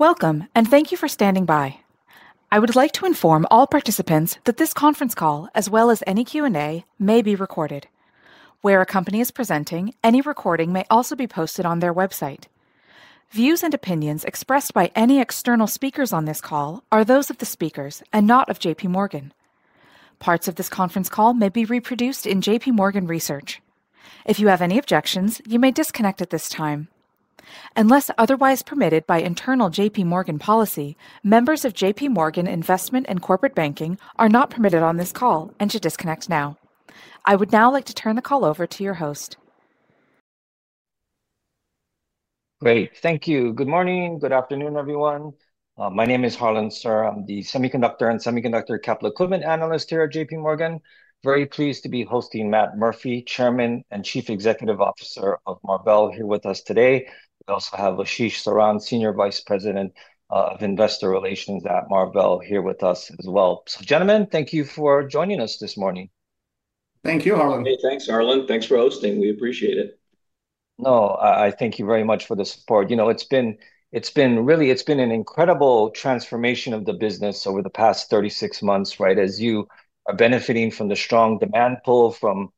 Welcome, and thank you for standing by. I would like to inform all participants that this conference call, as well as any Q&A, may be recorded. Where a company is presenting, any recording may also be posted on their website. Views and opinions expressed by any external speakers on this call are those of the speakers and not of JPMorgan. Parts of this conference call may be reproduced in JPMorgan research. If you have any objections, you may disconnect at this time. Unless otherwise permitted by internal JPMorgan policy, members of JPMorgan Investment and Corporate Banking are not permitted on this call and should disconnect now. I would now like to turn the call over to your host. Great. Thank you. Good morning. Good afternoon, everyone. My name is Harlan Sur. I'm the semiconductor and semiconductor capital equipment analyst here at JPMorgan. Very pleased to be hosting Matt Murphy, Chairman and Chief Executive Officer of Marvell, here with us today. We also have Ashish Saran, Senior Vice President of Investor Relations at Marvell, here with us as well. Gentlemen, thank you for joining us this morning. Thank you, Harlan. Hey, thanks, Harlan. Thanks for hosting. We appreciate it. No, I thank you very much for the support. It's been really, it's been an incredible transformation of the business over the past 36 months, right? As you are benefiting from the strong demand pull from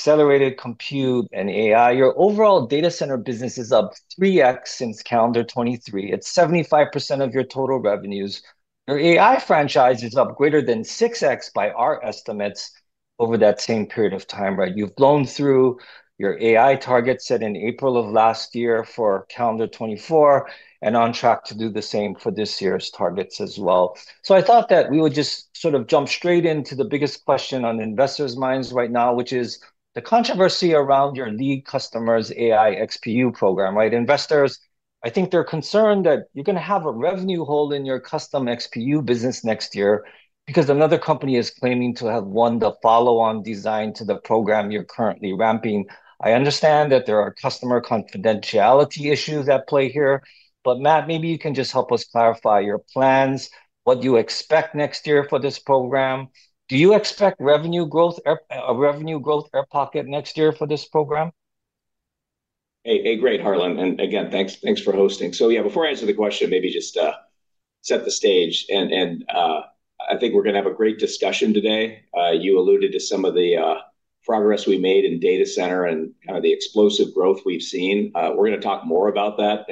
accelerated compute and AI, your overall data center business is up 3x since calendar 2023. It's 75% of your total revenues. Your AI franchise is up greater than 6x by our estimates over that same period of time, right? You've blown through your AI targets set in April of last year for calendar 2024 and are on track to do the same for this year's targets as well. I thought that we would just sort of jump straight into the biggest question on investors' minds right now, which is the controversy around your lead customer's AI XPU program, right? Investors, I think they're concerned that you're going to have a revenue hole in your custom XPU business next year because another company is claiming to have won the follow-on design to the program you're currently ramping. I understand that there are customer confidentiality issues at play here. Matt, maybe you can just help us clarify your plans, what do you expect next year for this program? Do you expect revenue growth, a revenue growth air pocket next year for this program? Hey, great, Harlan. Again, thanks for hosting. Before I answer the question, maybe just set the stage. I think we're going to have a great discussion today. You alluded to some of the progress we made in data center and kind of the explosive growth we've seen. We're going to talk more about that.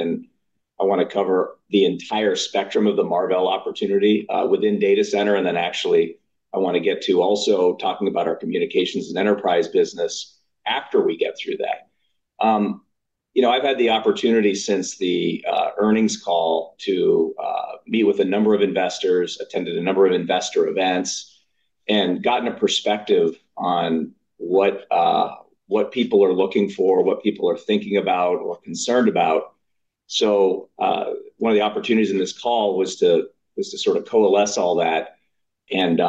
I want to cover the entire spectrum of the Marvell Technology opportunity within data center. Actually, I want to get to also talking about our communications and enterprise business after we get through that. I've had the opportunity since the earnings call to meet with a number of investors, attended a number of investor events, and gotten a perspective on what people are looking for, what people are thinking about, or concerned about. One of the opportunities in this call was to sort of coalesce all that and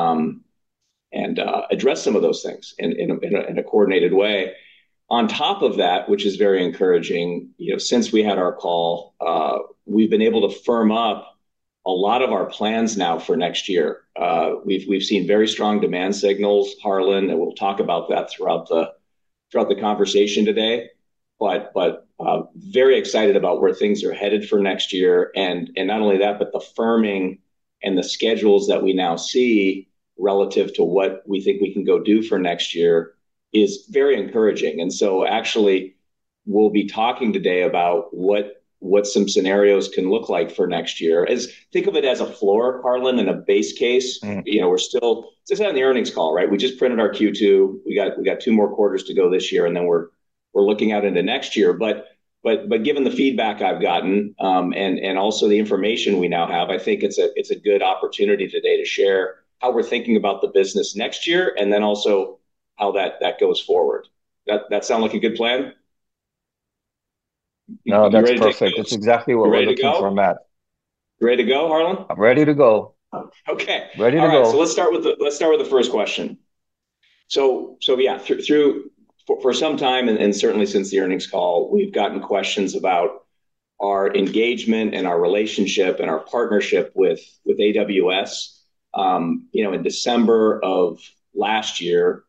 address some of those things in a coordinated way. On top of that, which is very encouraging, since we had our call, we've been able to firm up a lot of our plans now for next year. We've seen very strong demand signals, Harlan, and we'll talk about that throughout the conversation today. I'm very excited about where things are headed for next year. Not only that, but the firming and the schedules that we now see relative to what we think we can go do for next year is very encouraging. We'll be talking today about what some scenarios can look like for next year. Think of it as a floor, Harlan, and a base case. We're still, just had an earnings call, right? We just printed our Q2. We got two more quarters to go this year, and then we're looking out into next year. Given the feedback I've gotten and also the information we now have, I think it's a good opportunity today to share how we're thinking about the business next year and then also how that goes forward. That sound like a good plan? No, that's perfect. That's exactly what we're looking for, Matt. Ready to go, Harlan? I'm ready to go. OK. Ready to go. Let's start with the first question. For some time, and certainly since the earnings call, we've gotten questions about our engagement and our relationship and our partnership with AWS. In December of last year,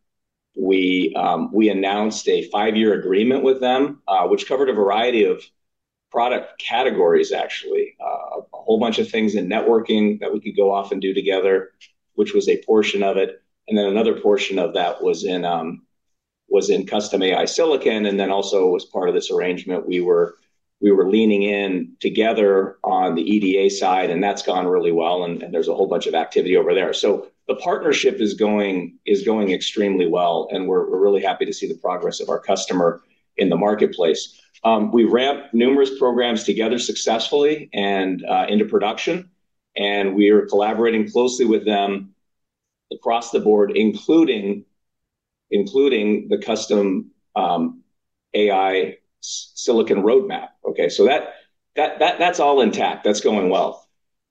we announced a five-year agreement with them, which covered a variety of product categories, actually. A whole bunch of things in networking that we could go off and do together, which was a portion of it. Another portion of that was in custom AI silicon. Also, as part of this arrangement, we were leaning in together on the EDA side, and that's gone really well. There's a whole bunch of activity over there. The partnership is going extremely well. We're really happy to see the progress of our customer in the marketplace. We ramped numerous programs together successfully and into production. We are collaborating closely with them across the board, including the custom AI silicon roadmap. That's all intact. That's going well.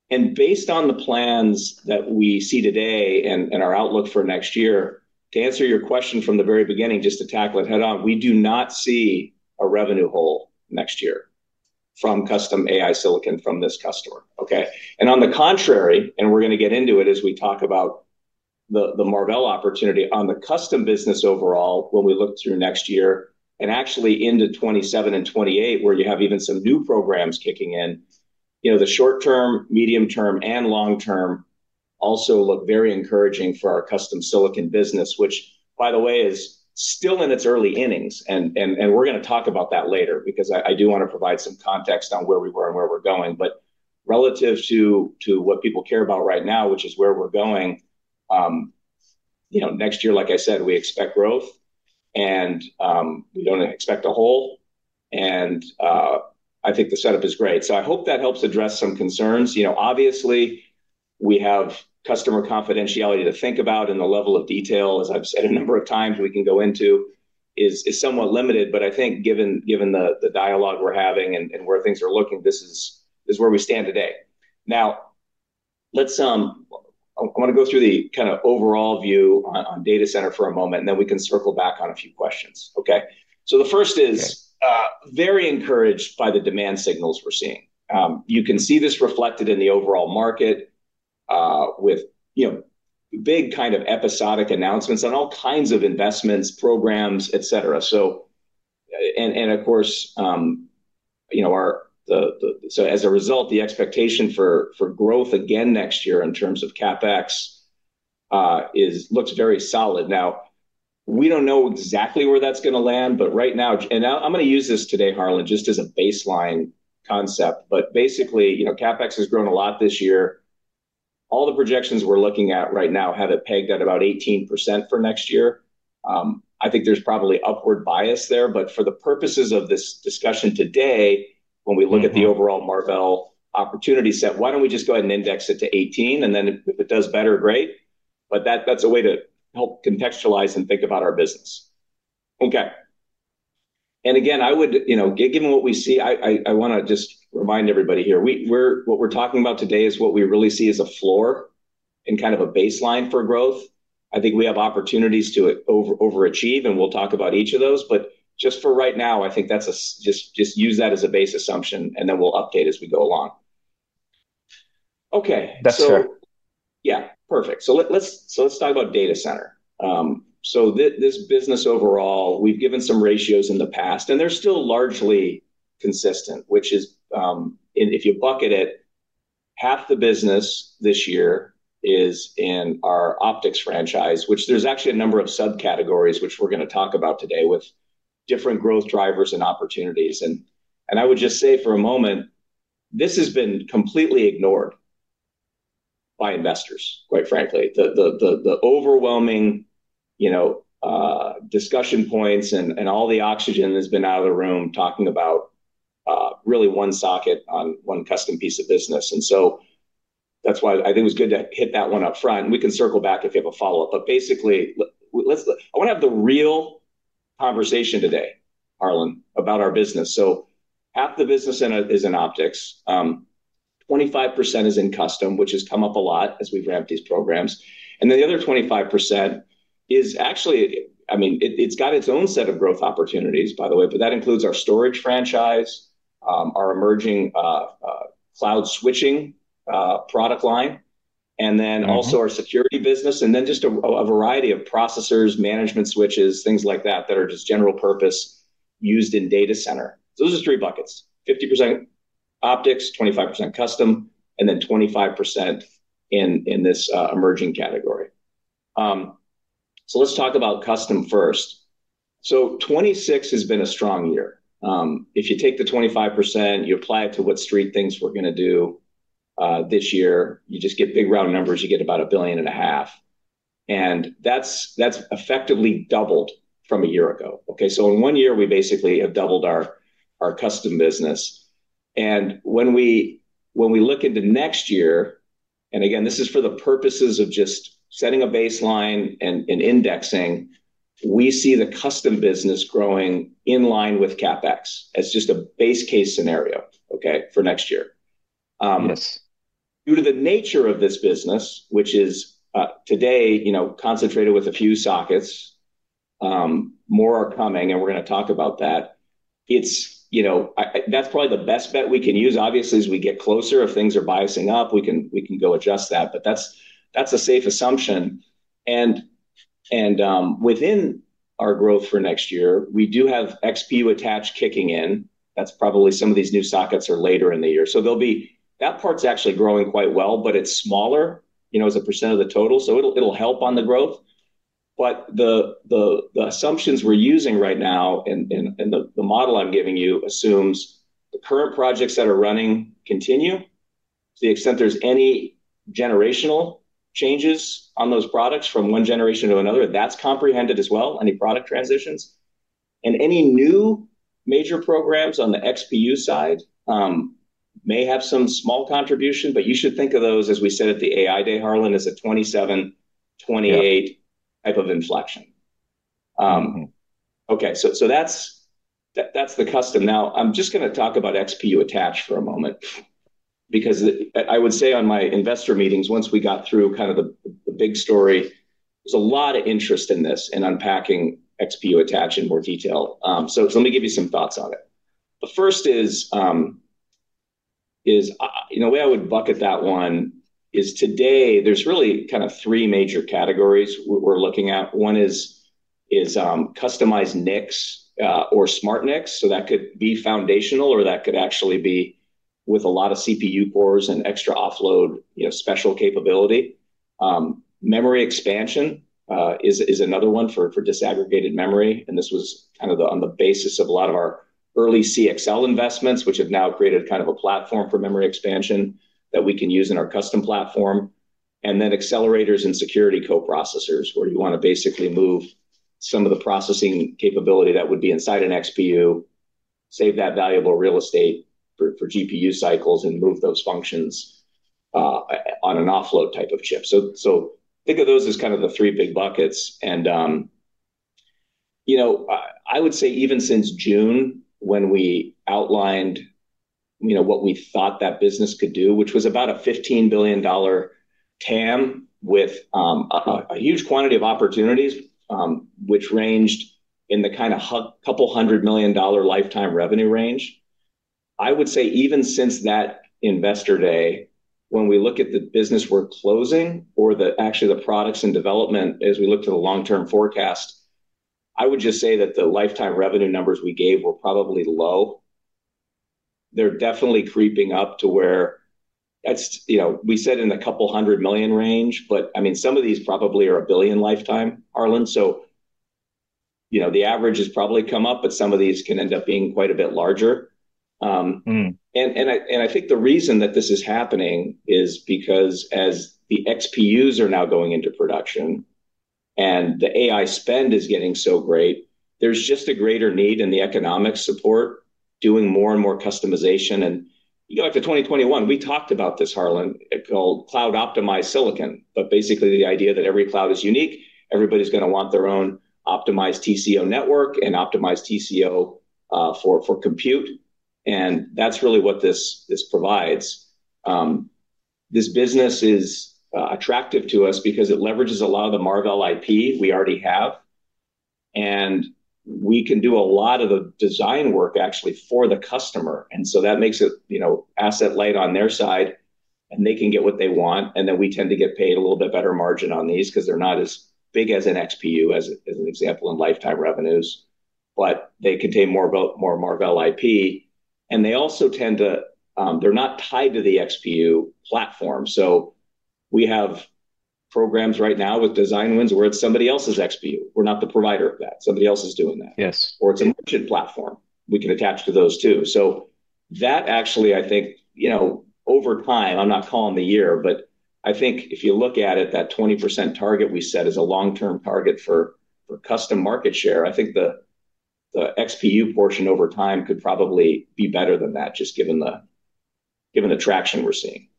Based on the plans that we see today and our outlook for next year, to answer your question from the very beginning, just to tackle it head-on, we do not see a revenue hole next year from custom AI silicon from this customer. On the contrary, and we're going to get into it as we talk about the Marvell opportunity on the custom business overall, when we look through next year and actually into 2027 and 2028, where you have even some new programs kicking in, the short term, medium term, and long term also look very encouraging for our custom silicon business, which, by the way, is still in its early innings. We're going to talk about that later because I do want to provide some context on where we were and where we're going. Relative to what people care about right now, which is where we're going, next year, like I said, we expect growth. We don't expect a hole. I think the setup is great. I hope that helps address some concerns. Obviously, we have customer confidentiality to think about. The level of detail, as I've said a number of times, we can go into is somewhat limited. I think given the dialogue we're having and where things are looking, this is where we stand today. Now, I want to go through the kind of overall view on data center for a moment, and then we can circle back on a few questions. The first is very encouraged by the demand signals we're seeing. You can see this reflected in the overall market with big kind of episodic announcements and all kinds of investments, programs, et cetera. Of course, as a result, the expectation for growth again next year in terms of CapEx looks very solid. Now, we don't know exactly where that's going to land. Right now, and I'm going to use this today, Harlan, just as a baseline concept. Basically, CapEx has grown a lot this year. All the projections we're looking at right now have it pegged at about 18% for next year. I think there's probably upward bias there. For the purposes of this discussion today, when we look at the overall Marvell opportunity set, why don't we just go ahead and index it to 18%? If it does better, great. That's a way to help contextualize and think about our business. OK. Again, given what we see, I want to just remind everybody here, what we're talking about today is what we really see as a floor and kind of a baseline for growth. I think we have opportunities to overachieve, and we'll talk about each of those. For right now, I think let's just use that as a base assumption, and then we'll update as we go along. OK. That's good. Yeah, perfect. Let's talk about data center. This business overall, we've given some ratios in the past, and they're still largely consistent, which is, if you bucket it, half the business this year is in our optics franchise, which actually has a number of subcategories that we're going to talk about today with different growth drivers and opportunities. I would just say for a moment, this has been completely ignored by investors, quite frankly. The overwhelming discussion points and all the oxygen has been out of the room talking about really one socket on one custom piece of business. That's why I think it was good to hit that one up front. We can circle back if you have a follow-up. Basically, I want to have the real conversation today, Harlan, about our business. Half the business is in optics, 25% is in custom, which has come up a lot as we've ramped these programs, and then the other 25% is actually, I mean, it's got its own set of growth opportunities, by the way. That includes our storage franchise, our emerging cloud switching product line, and also our security business, and then just a variety of processors, management switches, things like that that are just general purpose used in data center. Those are three buckets: 50% optics, 25% custom, and then 25% in this emerging category. Let's talk about custom first. 2026 has been a strong year. If you take the 25%, you apply it to what Street thinks we're going to do this year, you just get big round numbers. You get about $1.5 billion, and that's effectively doubled from a year ago. In one year, we basically have doubled our custom business. When we look into next year, and again, this is for the purposes of just setting a baseline and indexing, we see the custom business growing in line with CapEx as just a base case scenario for next year. Yes. Due to the nature of this business, which is today concentrated with a few sockets, more are coming. We're going to talk about that. That's probably the best bet we can use, obviously, as we get closer. If things are biasing up, we can go adjust that. That's a safe assumption. Within our growth for next year, we do have XPU attached kicking in. That's probably some of these new sockets are later in the year. That part's actually growing quite well, but it's smaller as a % of the total. It'll help on the growth. The assumptions we're using right now and the model I'm giving you assumes the current projects that are running continue to the extent there's any generational changes on those products from one generation to another. That's comprehended as well, any product transitions. Any new major programs on the XPU side may have some small contribution, but you should think of those, as we said at the AI Day, Harlan, as a 2027, 2028 type of inflection. OK, that's the custom. I'm just going to talk about XPU attached for a moment. I would say on my investor meetings, once we got through kind of the big story, there's a lot of interest in this and unpacking XPU attached in more detail. Let me give you some thoughts on it. The first is, in a way, I would bucket that one as today, there's really kind of three major categories we're looking at. One is customized NICs or smart NICs. That could be foundational, or that could actually be with a lot of CPU cores and extra offload special capability. Memory expansion is another one for disaggregated memory. This was kind of on the basis of a lot of our early CXL investments, which have now created kind of a platform for memory expansion that we can use in our custom platform. Then accelerators and security co-processors, where you want to basically move some of the processing capability that would be inside an XPU, save that valuable real estate for GPU cycles, and move those functions on an offload type of chip. Think of those as kind of the three big buckets. I would say even since June, when we outlined what we thought that business could do, which was about a $15 billion TAM with a huge quantity of opportunities, which ranged in the kind of couple hundred million dollar lifetime revenue range, even since that investor day, when we look at the business we're closing or actually the products in development as we look to the long-term forecast, the lifetime revenue numbers we gave were probably low. They're definitely creeping up to where we said in the couple hundred million range. Some of these probably are a billion lifetime, Harlan. The average has probably come up. Some of these can end up being quite a bit larger. The reason that this is happening is because as the XPUs are now going into production and the AI spend is getting so great, there's just a greater need in the economic support doing more and more customization. After 2021, we talked about this, Harlan, called cloud optimized silicon. Basically, the idea that every cloud is unique, everybody's going to want their own optimized TCO network and optimized TCO for compute. That's really what this provides. This business is attractive to us because it leverages a lot of the Marvell IP we already have. We can do a lot of the design work actually for the customer. That makes it asset light on their side. They can get what they want. We tend to get paid a little bit better margin on these because they're not as big as an XPU, as an example in lifetime revenues. They contain more Marvell IP. They also tend to, they're not tied to the XPU platform. We have programs right now with design wins where it's somebody else's XPU. We're not the provider of that. Somebody else is doing that. Yes. Or it's a merchant platform. We can attach to those too. That actually, I think, over time, I'm not calling the year, but I think if you look at it, that 20% target we set as a long-term target for custom market share, I think the XPU portion over time could probably be better than that, just given the traction we're seeing.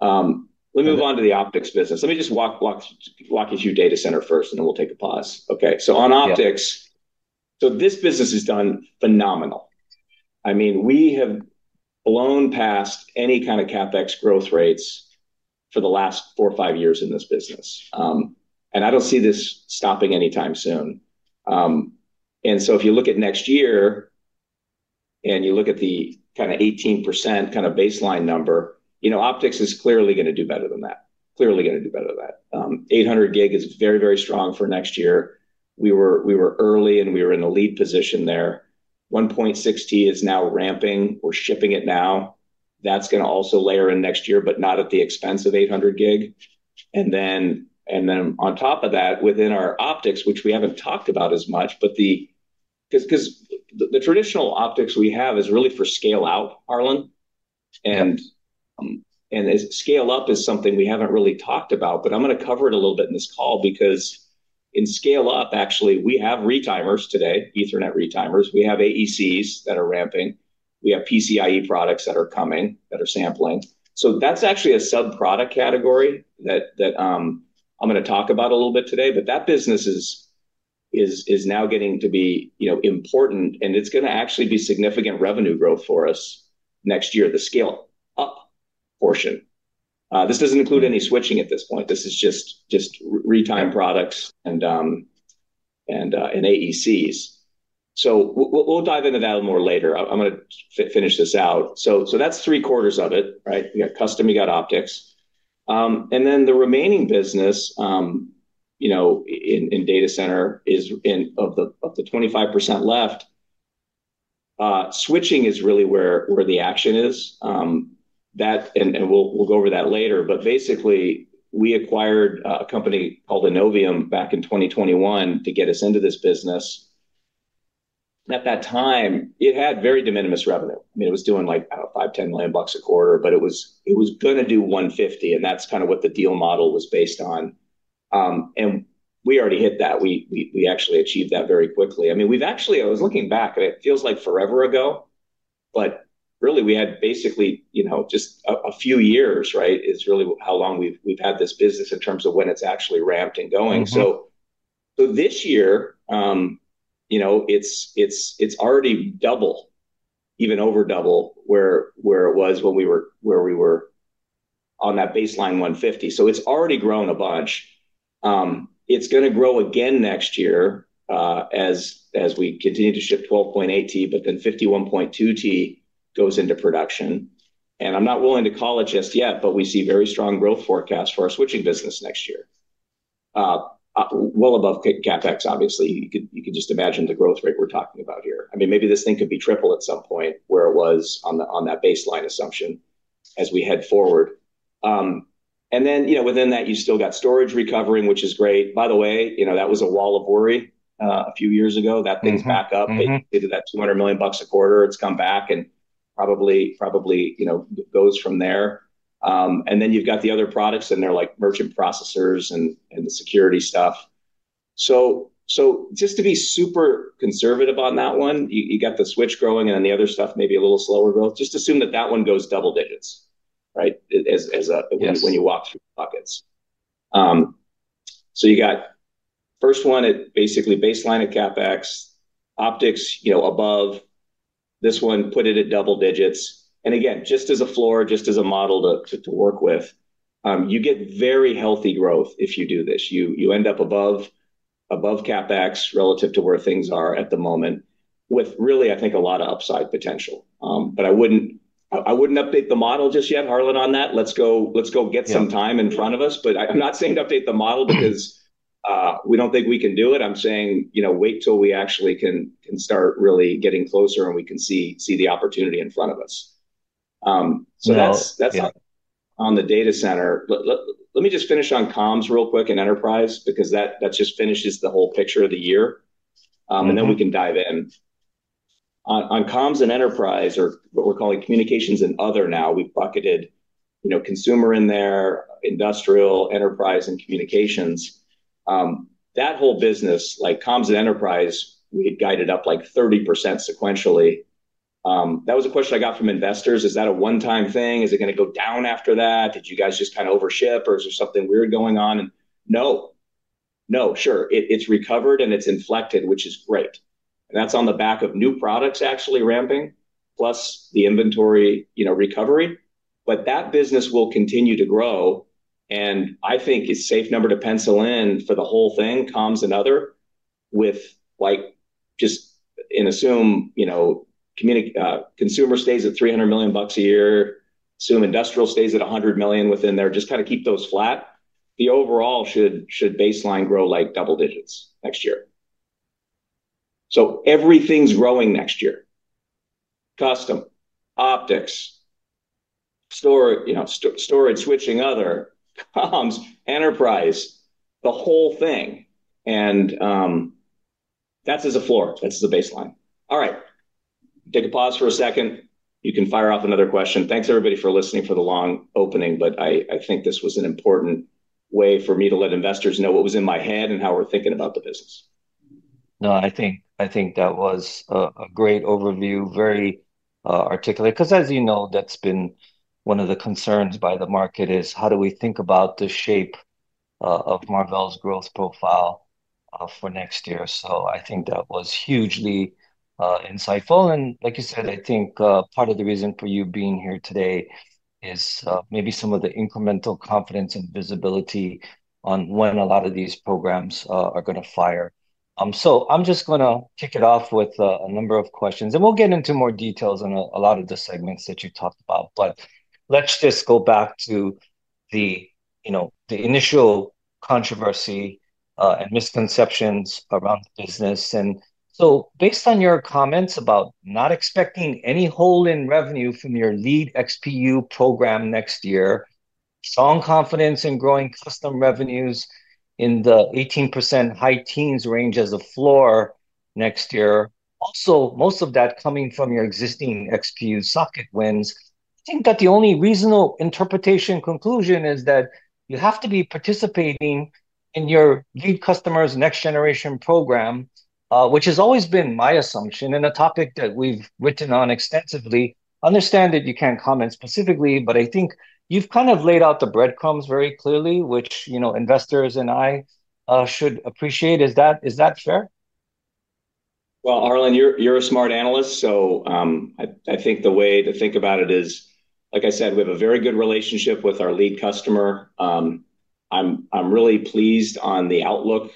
Let me move on to the optics business. Let me just walk you through data center first, and then we'll take a pause. OK, on optics, this business has done phenomenal. We have blown past any kind of CapEx growth rates for the last four or five years in this business, and I don't see this stopping anytime soon. If you look at next year and you look at the kind of 18% kind of baseline number, optics is clearly going to do better than that, clearly going to do better than that. 800G is very, very strong for next year. We were early, and we were in a lead position there. 1.6T is now ramping. We're shipping it now. That's going to also layer in next year, but not at the expense of 800G. On top of that, within our optics, which we haven't talked about as much, the traditional optics we have is really for scale out, Harlan. Scale up is something we haven't really talked about, but I'm going to cover it a little bit in this call because in scale up, actually, we have retimers today, Ethernet retimers. We have AECs that are ramping. We have PCIe products that are coming, that are sampling. That's actually a subproduct category that I'm going to talk about a little bit today. That business is now getting to be important, and it's going to actually be significant revenue growth for us next year, the scale up portion. This doesn't include any switching at this point. This is just retime products and AECs. We'll dive into that a little more later. I'm going to finish this out. That's three quarters of it, right? You got custom, you got optics, and then the remaining business in data center is in the 25% left. Switching is really where the action is, and we'll go over that later. We acquired a company called Innovium back in 2021 to get us into this business. At that time, it had very de minimis revenue. It was doing like $5 million, $10 million a quarter, but it was going to do $150 million, and that's kind of what the deal model was based on. We already hit that. We actually achieved that very quickly. I mean, we've actually, I was looking back. It feels like forever ago, but really, we had basically, you know, just a few years, right, is really how long we've had this business in terms of when it's actually ramped and going. This year, you know, it's already double, even over double where it was when we were on that baseline $150 million. It's already grown a bunch. It's going to grow again next year as we continue to ship 12.8T, but then 51.2T goes into production. I'm not willing to call it just yet, but we see very strong growth forecasts for our switching business next year, well above CapEx, obviously. You can just imagine the growth rate we're talking about here. Maybe this thing could be triple at some point where it was on that baseline assumption as we head forward. Within that, you still got storage recovering, which is great. By the way, that was a wall of worry a few years ago. That picked back up. They did that $200 million a quarter. It's come back and probably, you know, goes from there. Then you've got the other products in there, like merchant processors and security stuff. Just to be super conservative on that one, you got the switch growing, and then the other stuff may be a little slower growth. Just assume that that one goes double digits, right, when you walk through buckets. You got first one at basically baseline at CapEx. Optics, you know, above. This one, put it at double digits. Again, just as a floor, just as a model to work with, you get very healthy growth if you do this. You end up above CapEx relative to where things are at the moment with really, I think, a lot of upside potential. I wouldn't update the model just yet, Harlan, on that. Let's go get some time in front of us. I'm not saying to update the model because we don't think we can do it. I'm saying, you know, wait till we actually can start really getting closer and we can see the opportunity in front of us. That's on the data center. Let me just finish on comms real quick and enterprise because that just finishes the whole picture of the year, and then we can dive in. On comms and enterprise, or what we're calling communications and other now, we've bucketed, you know, consumer in there, industrial, enterprise, and communications. That whole business, like comms and enterprise, we had guided up like 30% sequentially. That was a question I got from investors. Is that a one-time thing? Is it going to go down after that? Did you guys just kind of overship? Or is there something weird going on? No, no, sure. It's recovered, and it's inflected, which is great. That's on the back of new products actually ramping, plus the inventory recovery. That business will continue to grow, and I think it's a safe number to pencil in for the whole thing, comms and other, with just assume, you know, consumer stays at $300 million a year. Assume industrial stays at $100 million within there. Just kind of keep those flat. The overall should baseline grow like double digits next year. Everything's growing next year: custom, optics, storage, switching, other comms, enterprise, the whole thing. That's as a floor. That's as a baseline. All right, take a pause for a second. You can fire off another question. Thanks, everybody, for listening for the long opening. I think this was an important way for me to let investors know what was in my head and how we're thinking about the business. No, I think that was a great overview, very articulate. As you know, that's been one of the concerns by the market: how do we think about the shape of Marvell's growth profile for next year. I think that was hugely insightful. Like you said, I think part of the reason for you being here today is maybe some of the incremental confidence and visibility on when a lot of these programs are going to fire. I'm just going to kick it off with a number of questions, and we'll get into more details on a lot of the segments that you talked about. Let's just go back to the initial controversy and misconceptions around the business. Based on your comments about not expecting any hole in revenue from your lead XPU program next year, strong confidence in growing custom revenues in the 18% high teens range as a floor next year, also most of that coming from your existing XPU socket wins, I think that the only reasonable interpretation conclusion is that you have to be participating in your lead customer's next generation program, which has always been my assumption and a topic that we've written on extensively. Understand that you can't comment specifically, but I think you've kind of laid out the breadcrumbs very clearly, which, you know, investors and I should appreciate. Is that fair? Harlan, you're a smart analyst. I think the way to think about it is, like I said, we have a very good relationship with our lead customer. I'm really pleased on the outlook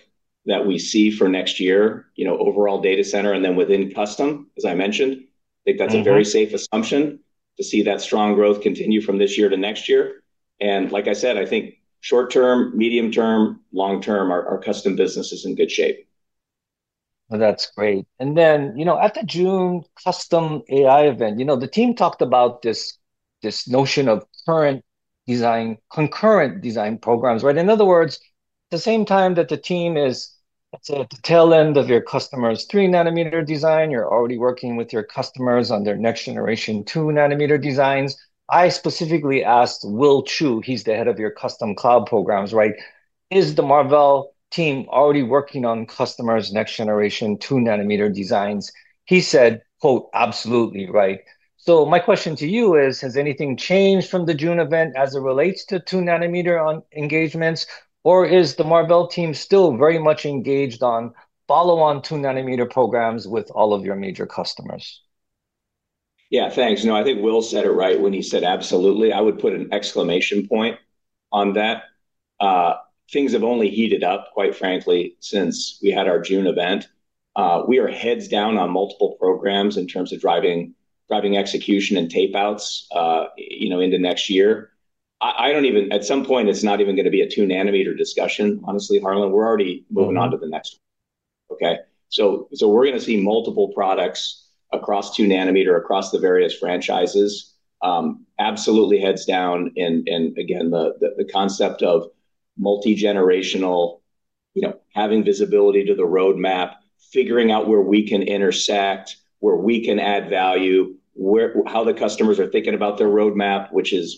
that we see for next year, you know, overall data center and then within custom, as I mentioned. I think that's a very safe assumption to see that strong growth continue from this year to next year. Like I said, I think short term, medium term, long term, our custom business is in good shape. That's great. At the June custom AI event, the team talked about this notion of concurrent design programs, right? In other words, at the same time that the team is at the tail end of your customers' 3 nm design, you're already working with your customers on their next generation 2 nm designs. I specifically asked Will Chu, he's the head of your custom cloud programs, right? Is the Marvell team already working on customers' next generation 2 nm designs? He said, quote, "absolutely right." My question to you is, has anything changed from the June event as it relates to 2 nm engagements? Or is the Marvell team still very much engaged on follow-on 2 nm programs with all of your major customers? Yeah, thanks. I think Will said it right when he said absolutely. I would put an exclamation point on that. Things have only heated up, quite frankly, since we had our June event. We are heads down on multiple programs in terms of driving execution and tapeouts into next year. At some point, it's not even going to be a 2 nm discussion, honestly, Harlan. We're already moving on to the next one. OK? We're going to see multiple products across 2 nm, across the various franchises, absolutely heads down. The concept of multigenerational, having visibility to the roadmap, figuring out where we can intersect, where we can add value, how the customers are thinking about their roadmap, which is,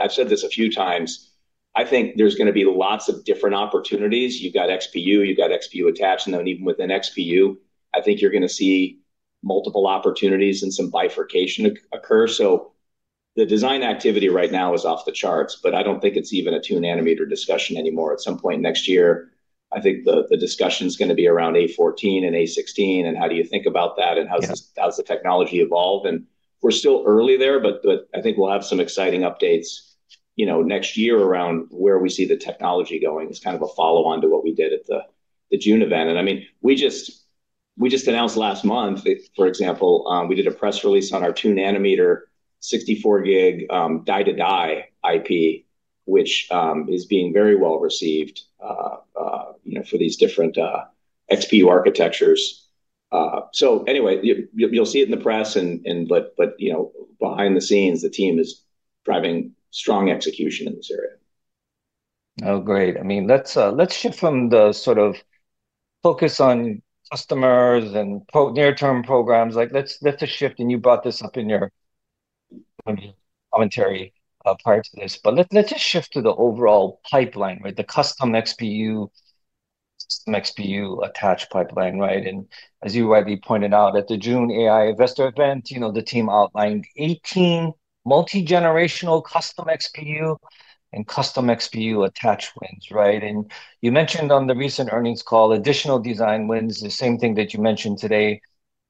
I've said this a few times, I think there's going to be lots of different opportunities. You've got XPU. You've got XPU attached. Even within XPU, I think you're going to see multiple opportunities and some bifurcation occur. The design activity right now is off the charts. I don't think it's even a 2 nm discussion anymore. At some point next year, I think the discussion is going to be around A14 and A16. How do you think about that? How does the technology evolve? We're still early there. I think we'll have some exciting updates next year around where we see the technology going. It's kind of a follow-on to what we did at the June event. We just announced last month, for example, we did a press release on our 2 nm 64 Gb die-to-die IP, which is being very well received for these different XPU architectures. You'll see it in the press. Behind the scenes, the team is driving strong execution in this area. Oh, great. Let's shift from the sort of focus on customers and near-term programs. Let's just shift, and you brought this up in your commentary, parts of this. Let's just shift to the overall pipeline, the custom XPU attached pipeline, right? As you rightly pointed out at the June AI Investor Event, the team outlined 18 multigenerational custom XPU and custom XPU attached wins. You mentioned on the recent earnings call additional design wins, the same thing that you mentioned today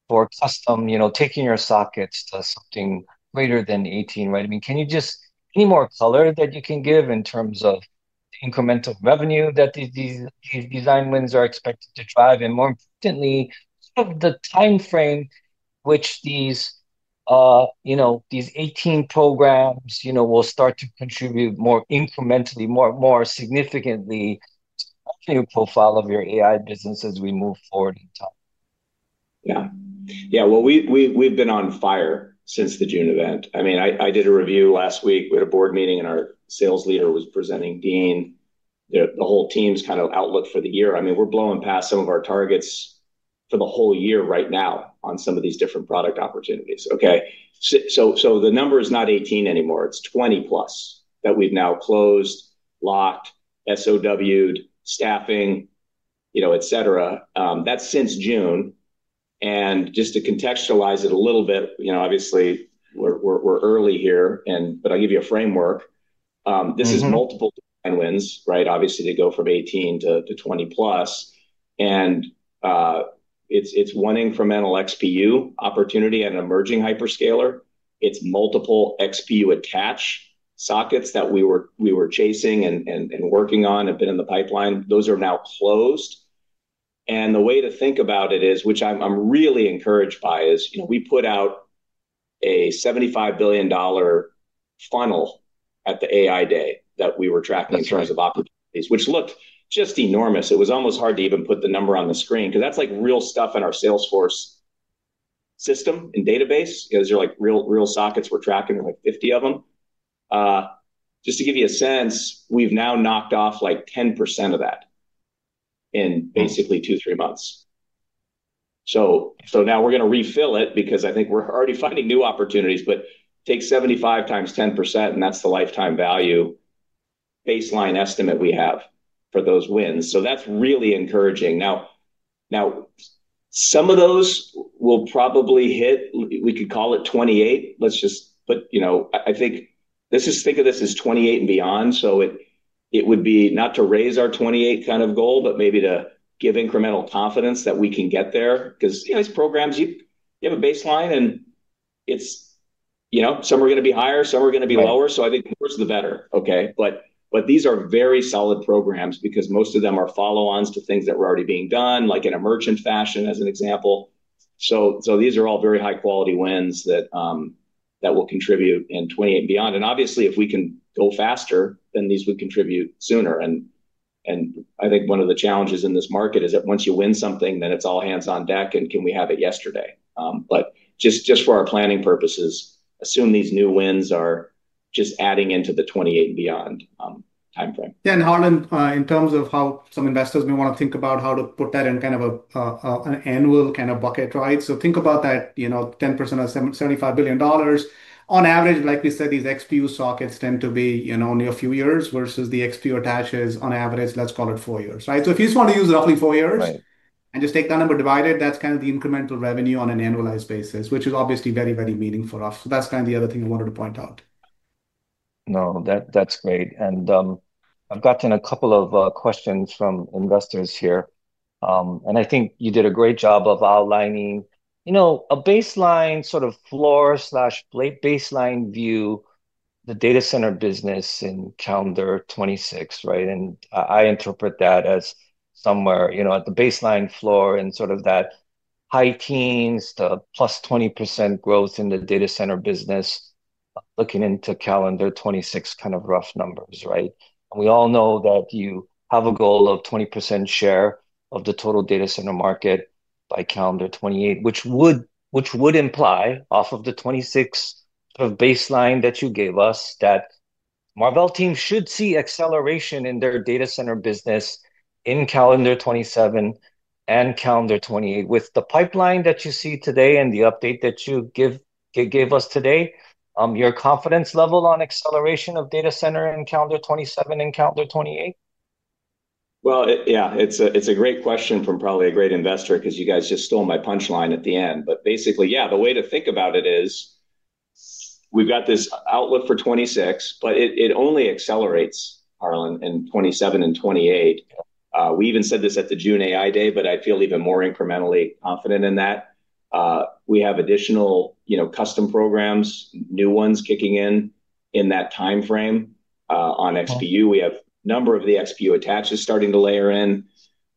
for custom, taking your sockets to something greater than 18. Can you give any more color in terms of incremental revenue that these design wins are expected to drive? More importantly, the time frame in which these 18 programs will start to contribute more incrementally, more significantly to your profile of your AI business as we move forward. Yeah, yeah. We've been on fire since the June event. I did a review last week. We had a board meeting, and our sales leader was presenting the whole team's kind of outlook for the year. We're blowing past some of our targets for the whole year right now on some of these different product opportunities, OK? The number is not 18 anymore. It's 20+ that we've now closed, locked, SOW'ed, staffing, et cetera. That's since June. Just to contextualize it a little bit, obviously, we're early here, but I'll give you a framework. This is multiple wins, right? Obviously, to go from 18 to 20+. It's one incremental XPU opportunity and an emerging hyperscaler. It's multiple XPU attached sockets that we were chasing and working on, have been in the pipeline. Those are now closed. The way to think about it is, which I'm really encouraged by, is we put out a $75 billion funnel at the AI Day that we were tracking in terms of opportunities, which looked just enormous. It was almost hard to even put the number on the screen because that's like real stuff in our Salesforce system and database. Those are like real sockets we're tracking, like 50 of them. Just to give you a sense, we've now knocked off like 10% of that in basically two, three months. Now we're going to refill it because I think we're already finding new opportunities. Take 75x 10%. That's the lifetime value baseline estimate we have for those wins. That's really encouraging. Some of those will probably hit, we could call it 2028. I think let's just think of this as 2028 and beyond. It would be not to raise our 2028 kind of goal, but maybe to give incremental confidence that we can get there. These programs, you have a baseline, and some are going to be higher, some are going to be lower. I think the worse the better, OK? These are very solid programs because most of them are follow-ons to things that were already being done, like in a merchant fashion, as an example. These are all very high-quality wins that will contribute in 2028 and beyond. Obviously, if we can go faster, then these would contribute sooner. I think one of the challenges in this market is that once you win something, then it's all hands on deck. Can we have it yesterday? Just for our planning purposes, assume these new wins are just adding into the 2028 and beyond time frame. Yeah, and Harlan, in terms of how some investors may want to think about how to put that in kind of an annual kind of bucket, right? Think about that, you know, 10% of $75 billion. On average, like we said, these XPU sockets tend to be, you know, only a few years versus the XPU attached is, on average, let's call it four years, right? If you just want to use roughly four years and just take that number divided, that's kind of the incremental revenue on an annualized basis, which is obviously very, very meaningful for us. That's kind of the other thing I wanted to point out. No, that's great. I've gotten a couple of questions from investors here. I think you did a great job of outlining, you know, a baseline sort of floor/baseline view, the data center business in calendar 2026, right? I interpret that as somewhere, you know, at the baseline floor in sort of that high teens, the +20% growth in the data center business, looking into calendar 2026 kind of rough numbers, right? We all know that you have a goal of 20% share of the total data center market by calendar 2028, which would imply, off of the 2026 baseline that you gave us, that Marvell team should see acceleration in their data center business in calendar 2027 and calendar 2028. With the pipeline that you see today and the update that you gave us today, your confidence level on acceleration of data center in calendar 2027 and calendar 2028? Yeah, it's a great question from probably a great investor because you guys just stole my punch line at the end. Basically, the way to think about it is we've got this outlook for 2026, but it only accelerates, Harlan, in 2027 and 2028. We even said this at the June AI Day. I feel even more incrementally confident in that. We have additional custom programs, new ones kicking in in that time frame on XPU. We have a number of the XPU attached that's starting to layer in.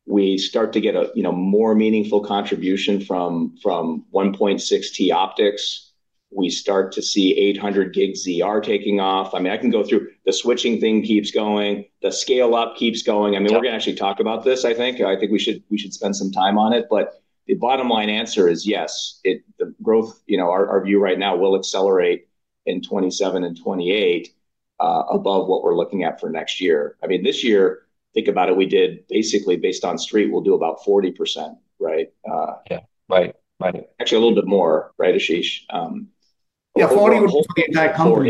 We start to get a more meaningful contribution from 1.6T optics. We start to see 800G ZR taking off. I can go through—the switching thing keeps going. The scale up keeps going. We're going to actually talk about this, I think. I think we should spend some time on it. The bottom line answer is yes, the growth, our view right now will accelerate in 2027 and 2028 above what we're looking at for next year. This year, think about it. We did basically, based on Street, we'll do about 40%, right? Yeah, right. Actually, a little bit more, right, Ashish? Yeah, 40% would be a good number.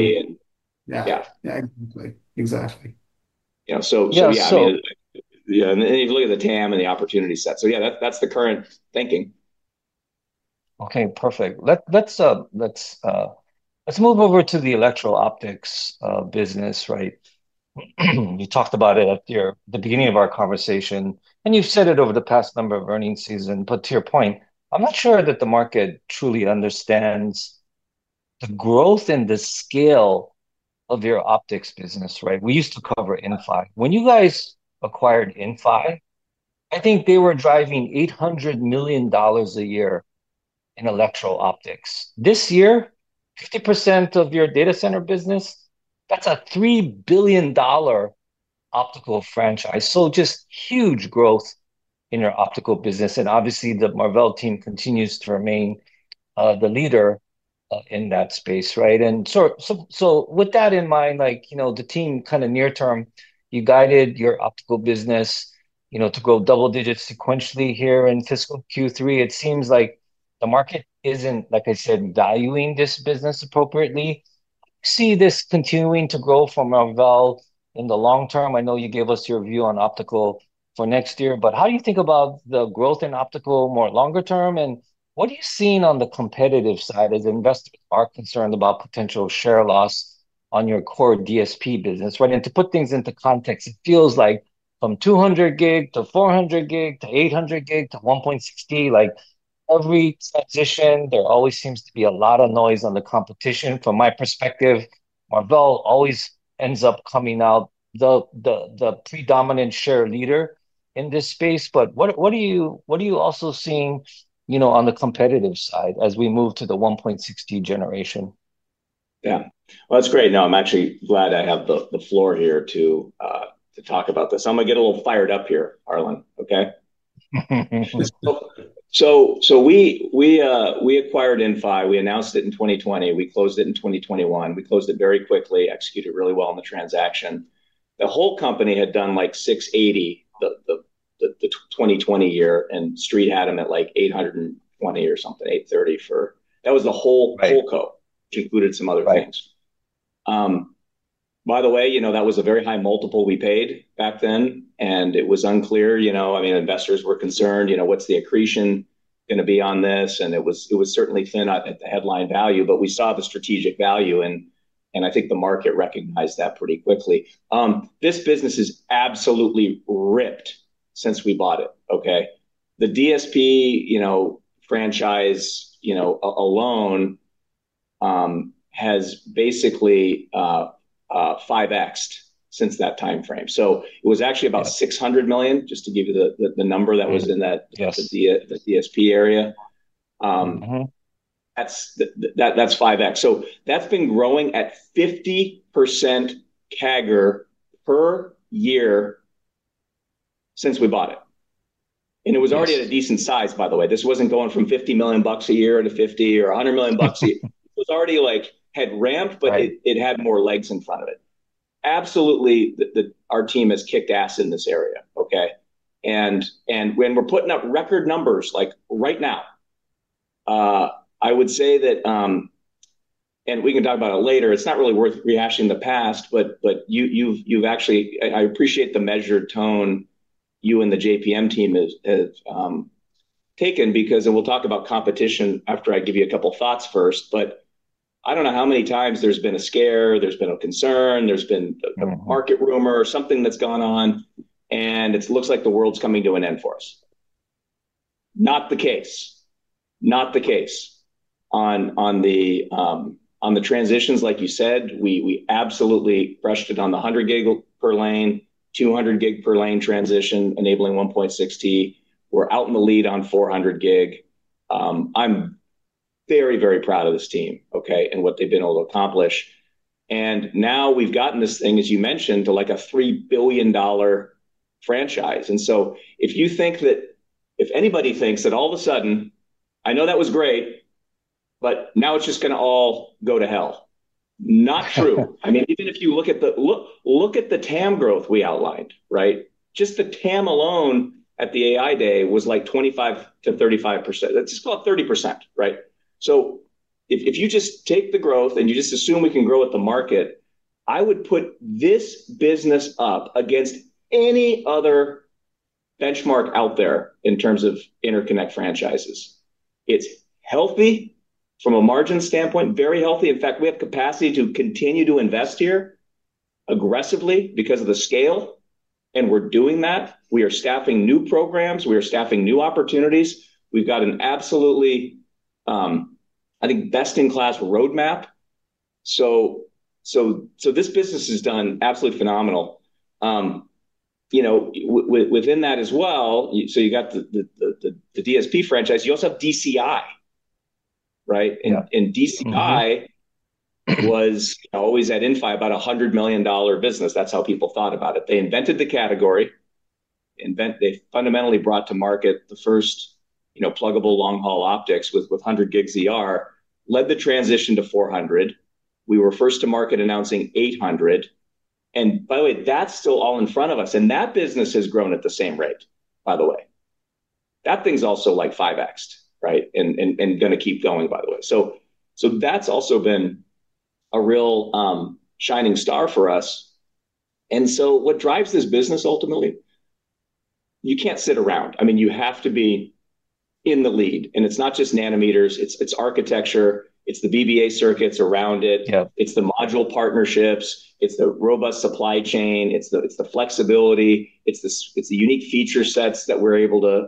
Yeah. Yeah, exactly. Yeah, yeah. So. Yeah, you look at the TAM and the opportunity set. That's the current thinking. OK, perfect. Let's move over to the electrical optics business, right? You talked about it at the beginning of our conversation. You've said it over the past number of earnings seasons. To your point, I'm not sure that the market truly understands the growth in the scale of your optics business, right? We used to cover Inphi. When you guys acquired Inphi, I think they were driving $800 million a year in electrical optics. This year, 50% of your data center business, that's a $3 billion optical franchise. Just huge growth in your optical business. Obviously, the Marvell team continues to remain the leader in that space, right? With that in mind, the team kind of near term, you guided your optical business to grow double digits sequentially here in fiscal Q3. It seems like the market isn't, like I said, valuing this business appropriately. You see this continuing to grow for Marvell in the long term. I know you gave us your view on optical for next year. How do you think about the growth in optical more longer term? What are you seeing on the competitive side as investors are concerned about potential share loss on your core DSP business, right? To put things into context, it feels like from 200 Gb to 400 Gb to 800 Gb to 1.6T, every transition, there always seems to be a lot of noise on the competition. From my perspective, Marvell always ends up coming out the predominant share leader in this space. What are you also seeing on the competitive side as we move to the 1.6T generation? Yeah, that's great. I'm actually glad I have the floor here to talk about this. I'm going to get a little fired up here, Harlan, OK? We acquired Inphi. We announced it in 2020. We closed it in 2021. We closed it very quickly, executed really well on the transaction. The whole company had done like $680 million the 2020 year. Street had them at like $820 million or something, $830 million for that, which was the whole company, which included some other things. By the way, that was a very high multiple we paid back then. It was unclear, I mean, investors were concerned, what's the accretion going to be on this? It was certainly thin at the headline value. We saw the strategic value. I think the market recognized that pretty quickly. This business has absolutely ripped since we bought it, OK? The DSP franchise alone has basically 5x'd since that time frame. It was actually about $600 million, just to give you the number that was in that DSP area. That's 5x. That's been growing at 50% CAGR per year since we bought it. It was already at a decent size, by the way. This wasn't going from $50 million a year to $50 million or $100 million a year. It had already ramped. It had more legs in front of it. Absolutely, our team has kicked ass in this area, OK? When we're putting up record numbers, like right now, I would say that, and we can talk about it later, it's not really worth rehashing the past. I appreciate the measured tone you and the JPM team have taken because, and we'll talk about competition after I give you a couple of thoughts first. I don't know how many times there's been a scare. There's been a concern. There's been a market rumor or something that's gone on. It looks like the world's coming to an end for us. Not the case, not the case. On the transitions, like you said, we absolutely crushed it on the 100 Gb per lane, 200 Gb per lane transition, enabling 1.6T. We're out in the lead on 400 Gb. I'm very, very proud of this team, OK, and what they've been able to accomplish. Now we've gotten this thing, as you mentioned, to like a $3 billion franchise. If you think that, if anybody thinks that all of a sudden, I know that was great, but now it's just going to all go to hell. Not true. Even if you look at the TAM growth we outlined, right, just the TAM alone at the AI Day was like 25%-35%. That's just about 30%, right? If you just take the growth and you just assume it can grow with the market, I would put this business up against any other benchmark out there in terms of interconnect franchises. It's healthy from a margin standpoint, very healthy. In fact, we have capacity to continue to invest here aggressively because of the scale. We're doing that. We are staffing new programs. We are staffing new opportunities. We've got an absolutely, I think, best-in-class roadmap. This business has done absolutely phenomenal. Within that as well, you've got the DSP franchise. You also have DCI, right? DCI was always at Inphi about a $100 million business. That's how people thought about it. They invented the category. They fundamentally brought to market the first pluggable long-haul optics with 100 Gb ZR, led the transition to 400 Gb. We were first to market announcing 800 Gb. By the way, that's still all in front of us. That business has grown at the same rate, by the way. That thing's also like 5x'd, right, and going to keep going, by the way. That's also been a real shining star for us. What drives this business ultimately, you can't sit around. You have to be in the lead. It's not just nanometers. It's architecture. It's the BBA circuits around it. It's the module partnerships. It's the robust supply chain. It's the flexibility. It's the unique feature sets that we're able to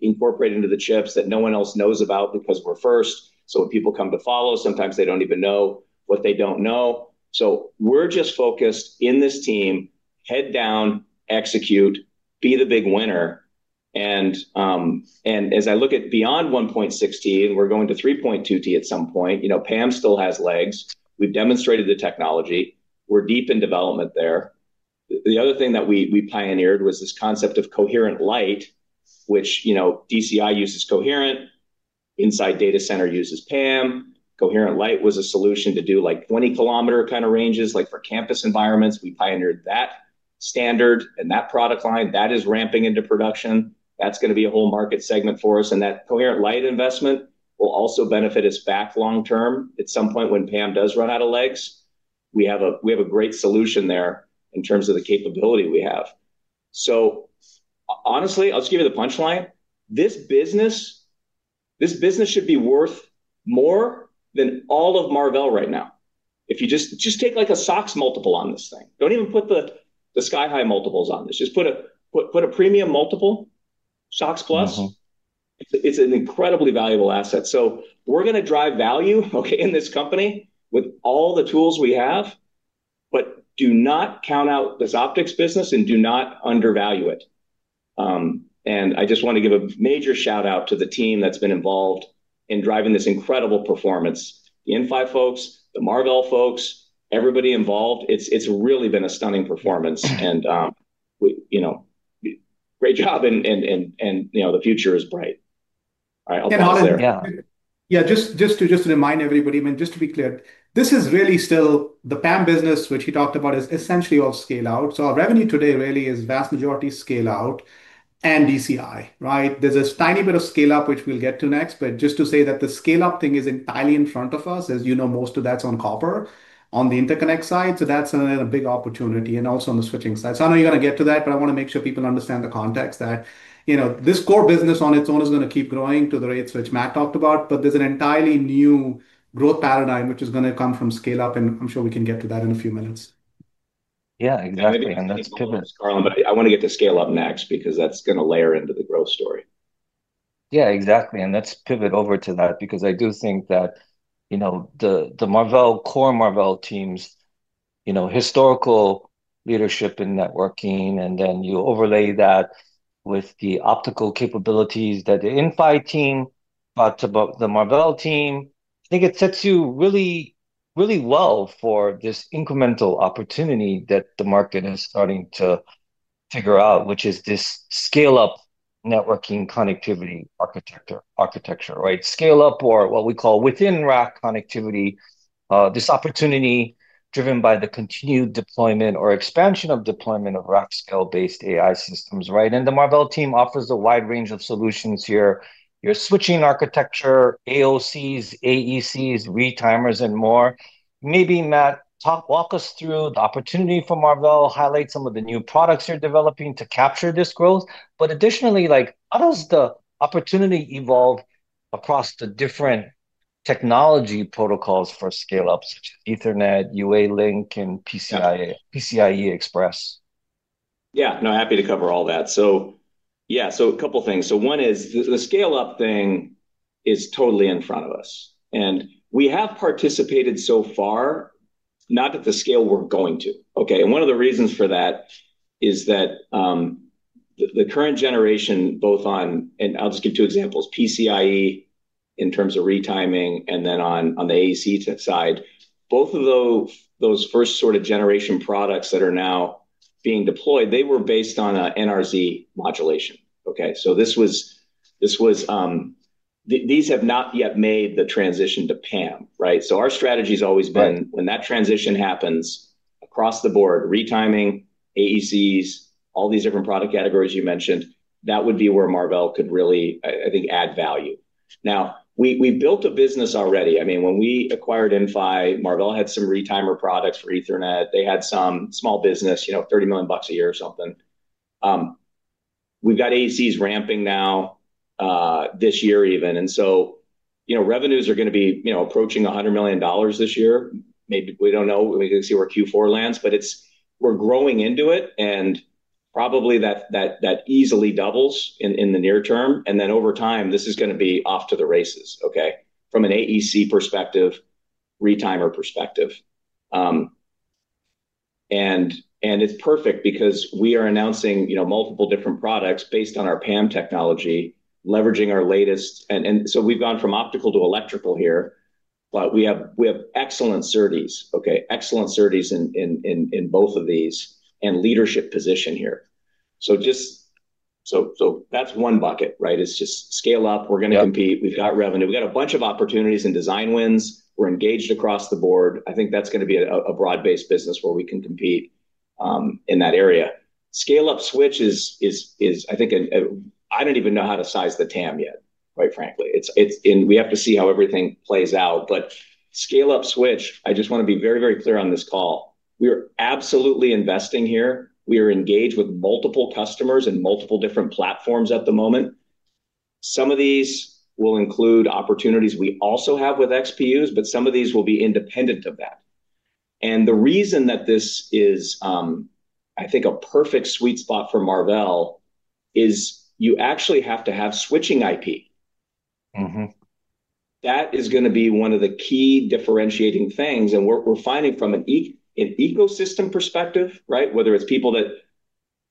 incorporate into the chips that no one else knows about because we're first. When people come to follow, sometimes they don't even know what they don't know. We're just focused in this team, head down, execute, be the big winner. As I look at beyond 1.6T, we're going to 3.2T at some point. PAM still has legs. We've demonstrated the technology. We're deep in development there. The other thing that we pioneered was this concept of coherent light, which DCI uses coherent, inside data center uses PAM. Coherent light was a solution to do like 20-kilometer kind of ranges, like for campus environments. We pioneered that standard and that product line. That is ramping into production. That's going to be a whole market segment for us. That coherent light investment will also benefit us back long term. At some point, when PAM does run out of legs, we have a great solution there in terms of the capability we have. Honestly, I'll just give you the punch line. This business should be worth more than all of Marvell right now. If you just take like a SOX multiple on this thing, don't even put the sky-high multiples on this. Just put a premium multiple, SOX plus. It's an incredibly valuable asset. We're going to drive value, OK, in this company with all the tools we have. Do not count out this optics business, and do not undervalue it. I just want to give a major shout out to the team that's been involved in driving this incredible performance, the Inphi folks, the Marvell folks, everybody involved. It's really been a stunning performance. Great job, and you know, the future is bright. Yeah, I'll take that. Just to remind everybody, just to be clear, this is really still the PAM business, which he talked about, is essentially all scale out. Our revenue today really is vast majority scale out and DCI, right? There's a tiny bit of scale up, which we'll get to next. Just to say that the scale up thing is entirely in front of us. As you know, most of that's on copper on the interconnect side. That's a big opportunity and also on the switching side. I know you're going to get to that. I want to make sure people understand the context that, you know, this core business on its own is going to keep growing to the rates which Matt talked about. There's an entirely new growth paradigm, which is going to come from scale up. I'm sure we can get to that in a few minutes. Yeah, exactly. Let's pivot. I want to get to scale up next because that's going to layer into the growth story. Yeah, exactly. Let's pivot over to that because I do think that the Marvell core Marvell teams, historical leadership in networking, and then you overlay that with the optical capabilities that the Inphi team brought to the Marvell team, I think it sets you really, really well for this incremental opportunity that the market is starting to figure out, which is this scale up networking connectivity architecture, right? Scale up or what we call within rack connectivity, this opportunity driven by the continued deployment or expansion of deployment of rack scale-based AI systems, right? The Marvell team offers a wide range of solutions here: your switching architecture, AOCs, AECs, retimers, and more. Maybe, Matt, walk us through the opportunity for Marvell. Highlight some of the new products you're developing to capture this growth. Additionally, how does the opportunity evolve across the different technology protocols for scale up, such as Ethernet, UALink, and PCI Express? Yeah, happy to cover all that. A couple of things. One is the scale up thing is totally in front of us. We have participated so far, not at the scale we're going to, OK? One of the reasons for that is that the current generation, both on, and I'll just give two examples, PCIe in terms of retiming and then on the AEC side, both of those first sort of generation products that are now being deployed, they were based on an NRZ modulation, OK? These have not yet made the transition to PAM, right? Our strategy has always been, when that transition happens across the board—retiming, AECs, all these different product categories you mentioned—that would be where Marvell could really, I think, add value. Now, we built a business already. When we acquired Inphi, Marvell had some retimer products for Ethernet. They had some small business, you know, $30 million a year or something. We've got AECs ramping now this year even. Revenues are going to be approaching $100 million this year. Maybe we don't know. We can see where Q4 lands. We're growing into it, and probably that easily doubles in the near term. Over time, this is going to be off to the races, OK, from an AEC perspective, retimer perspective. It's perfect because we are announcing multiple different products based on our PAM technology, leveraging our latest. We've gone from optical to electrical here. We have excellent SerDes, OK, excellent SerDes in both of these and leadership position here. That's one bucket, right? It's just scale up. We're going to compete. We've got revenue. We've got a bunch of opportunities and design wins. We're engaged across the board. I think that's going to be a broad-based business where we can compete in that area. Scale up switch is, I think, I don't even know how to size the TAM yet, quite frankly. We have to see how everything plays out. Scale up switch, I just want to be very, very clear on this call. We are absolutely investing here. We are engaged with multiple customers and multiple different platforms at the moment. Some of these will include opportunities we also have with XPUs, but some of these will be independent of that. The reason that this is, I think, a perfect sweet spot for Marvell is you actually have to have switching IP. That is going to be one of the key differentiating things. We're finding from an ecosystem perspective, whether it's people that,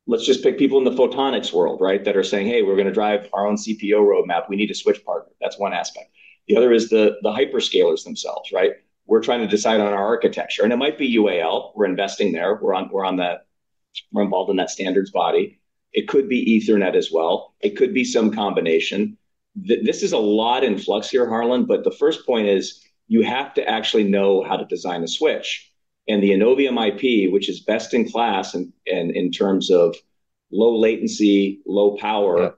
let's just pick people in the photonics world, that are saying, hey, we're going to drive our own CPO roadmap. We need a switch partner. That's one aspect. The other is the hyperscalers themselves, trying to decide on our architecture. It might be UAL. We're investing there. We're involved in that standards body. It could be Ethernet as well. It could be some combination. There is a lot in flux here, Harlan. The first point is you have to actually know how to design a switch. The Innovium IP, which is best in class in terms of low latency, low power,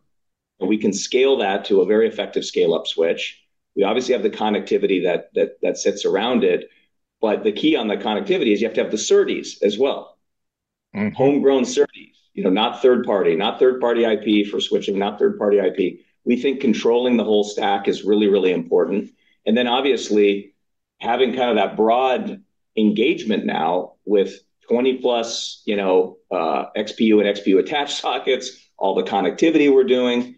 and we can scale that to a very effective scale up switch. We obviously have the connectivity that sits around it. The key on the connectivity is you have to have the SerDes as well, homegrown SerDes, not third party, not third party IP for switching, not third party IP. We think controlling the whole stack is really, really important. Obviously, having kind of that broad engagement now with 20+, you know, XPU and XPU attached sockets, all the connectivity we're doing,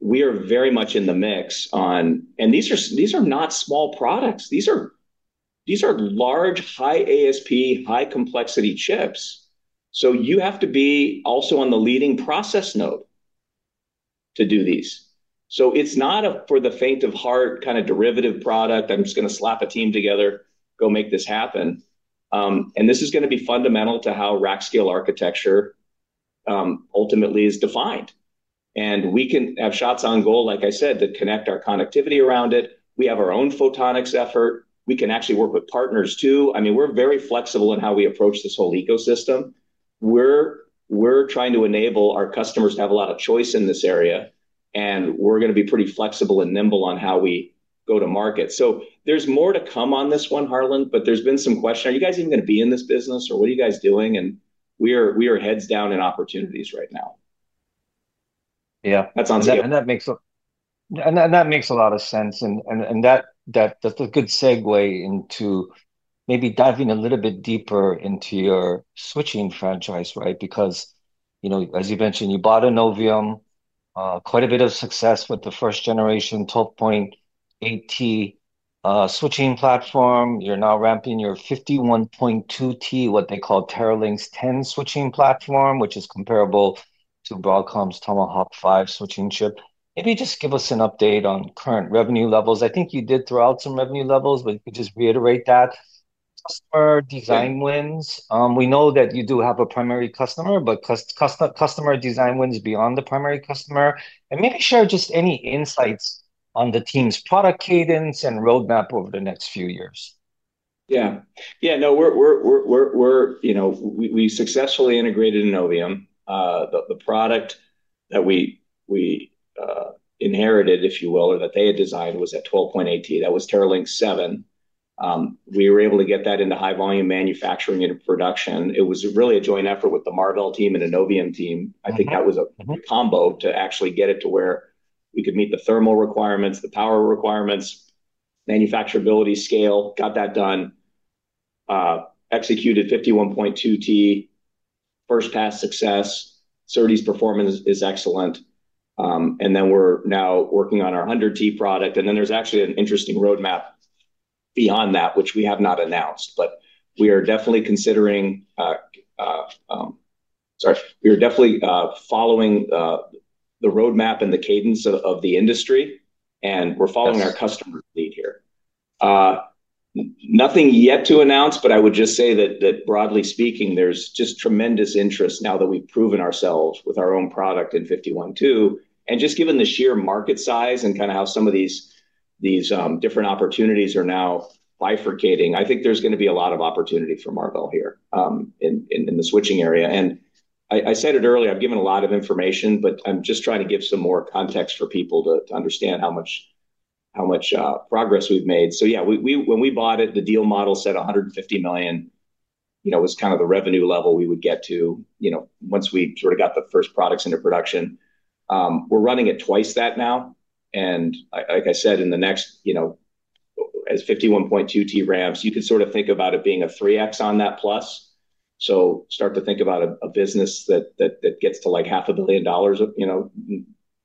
we are very much in the mix on, and these are not small products. These are large, high ASP, high complexity chips. You have to be also on the leading process node to do these. It's not for the faint of heart kind of derivative product that I'm just going to slap a team together, go make this happen. This is going to be fundamental to how rack scale architecture ultimately is defined. We can have shots on goal, like I said, that connect our connectivity around it. We have our own photonics effort. We can actually work with partners too. I mean, we're very flexible in how we approach this whole ecosystem. We're trying to enable our customers to have a lot of choice in this area. We're going to be pretty flexible and nimble on how we go to market. There is more to come on this one, Harlan. There have been some questions, are you guys even going to be in this business? Or what are you guys doing? We are heads down in opportunities right now. Yeah, that makes a lot of sense. That's a good segue into maybe diving a little bit deeper into your switching franchise, right? Because, as you mentioned, you bought Innovium, quite a bit of success with the first generation 12.8T switching platform. You're now ramping your 51.2T, what they call Teralynx 10 switching platform, which is comparable to Broadcom's Tomahawk 5 switching chip. Maybe just give us an update on current revenue levels. I think you did throw out some revenue levels. If you could just reiterate that. Customer design wins. We know that you do have a primary customer. Customer design wins beyond the primary customer. Maybe share any insights on the team's product cadence and roadmap over the next few years. Yeah, yeah, no, we successfully integrated Innovium. The product that we inherited, if you will, or that they had designed was at 12.8T. That was Teralynx 7. We were able to get that into high volume manufacturing and production. It was really a joint effort with the Marvell team and Innovium team. I think that was a combo to actually get it to where we could meet the thermal requirements, the power requirements, manufacturability scale, got that done, executed 51.2T, first pass success. SerDes performance is excellent. We're now working on our 100 Tb product. There's actually an interesting roadmap beyond that, which we have not announced. We are definitely following the roadmap and the cadence of the industry. We're following our customer lead here. Nothing yet to announce. I would just say that, broadly speaking, there's just tremendous interest now that we've proven ourselves with our own product in 51.2T. Just given the sheer market size and kind of how some of these different opportunities are now bifurcating, I think there's going to be a lot of opportunities for Marvell here in the switching area. I said it earlier, I've given a lot of information. I'm just trying to give some more context for people to understand how much progress we've made. When we bought it, the deal model said $150 million, you know, was kind of the revenue level we would get to, you know, once we sort of got the first products into production. We're running at twice that now. Like I said, in the next, you know, as 51.2T ramps, you could sort of think about it being a 3x on that plus. Start to think about a business that gets to like half a billion dollars, you know,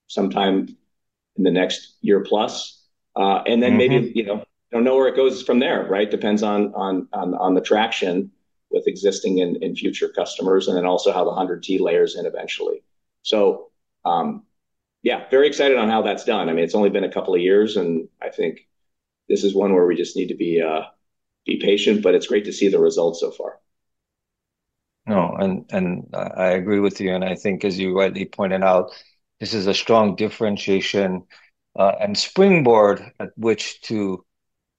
sometime in the next year plus. Maybe, you know, you don't know where it goes from there, right? Depends on the traction with existing and future customers and then also how the 100 Tb layers in eventually. Very excited on how that's done. I mean, it's only been a couple of years. I think this is one where we just need to be patient. It's great to see the results so far. No, I agree with you. I think, as you rightly pointed out, this is a strong differentiation and springboard at which to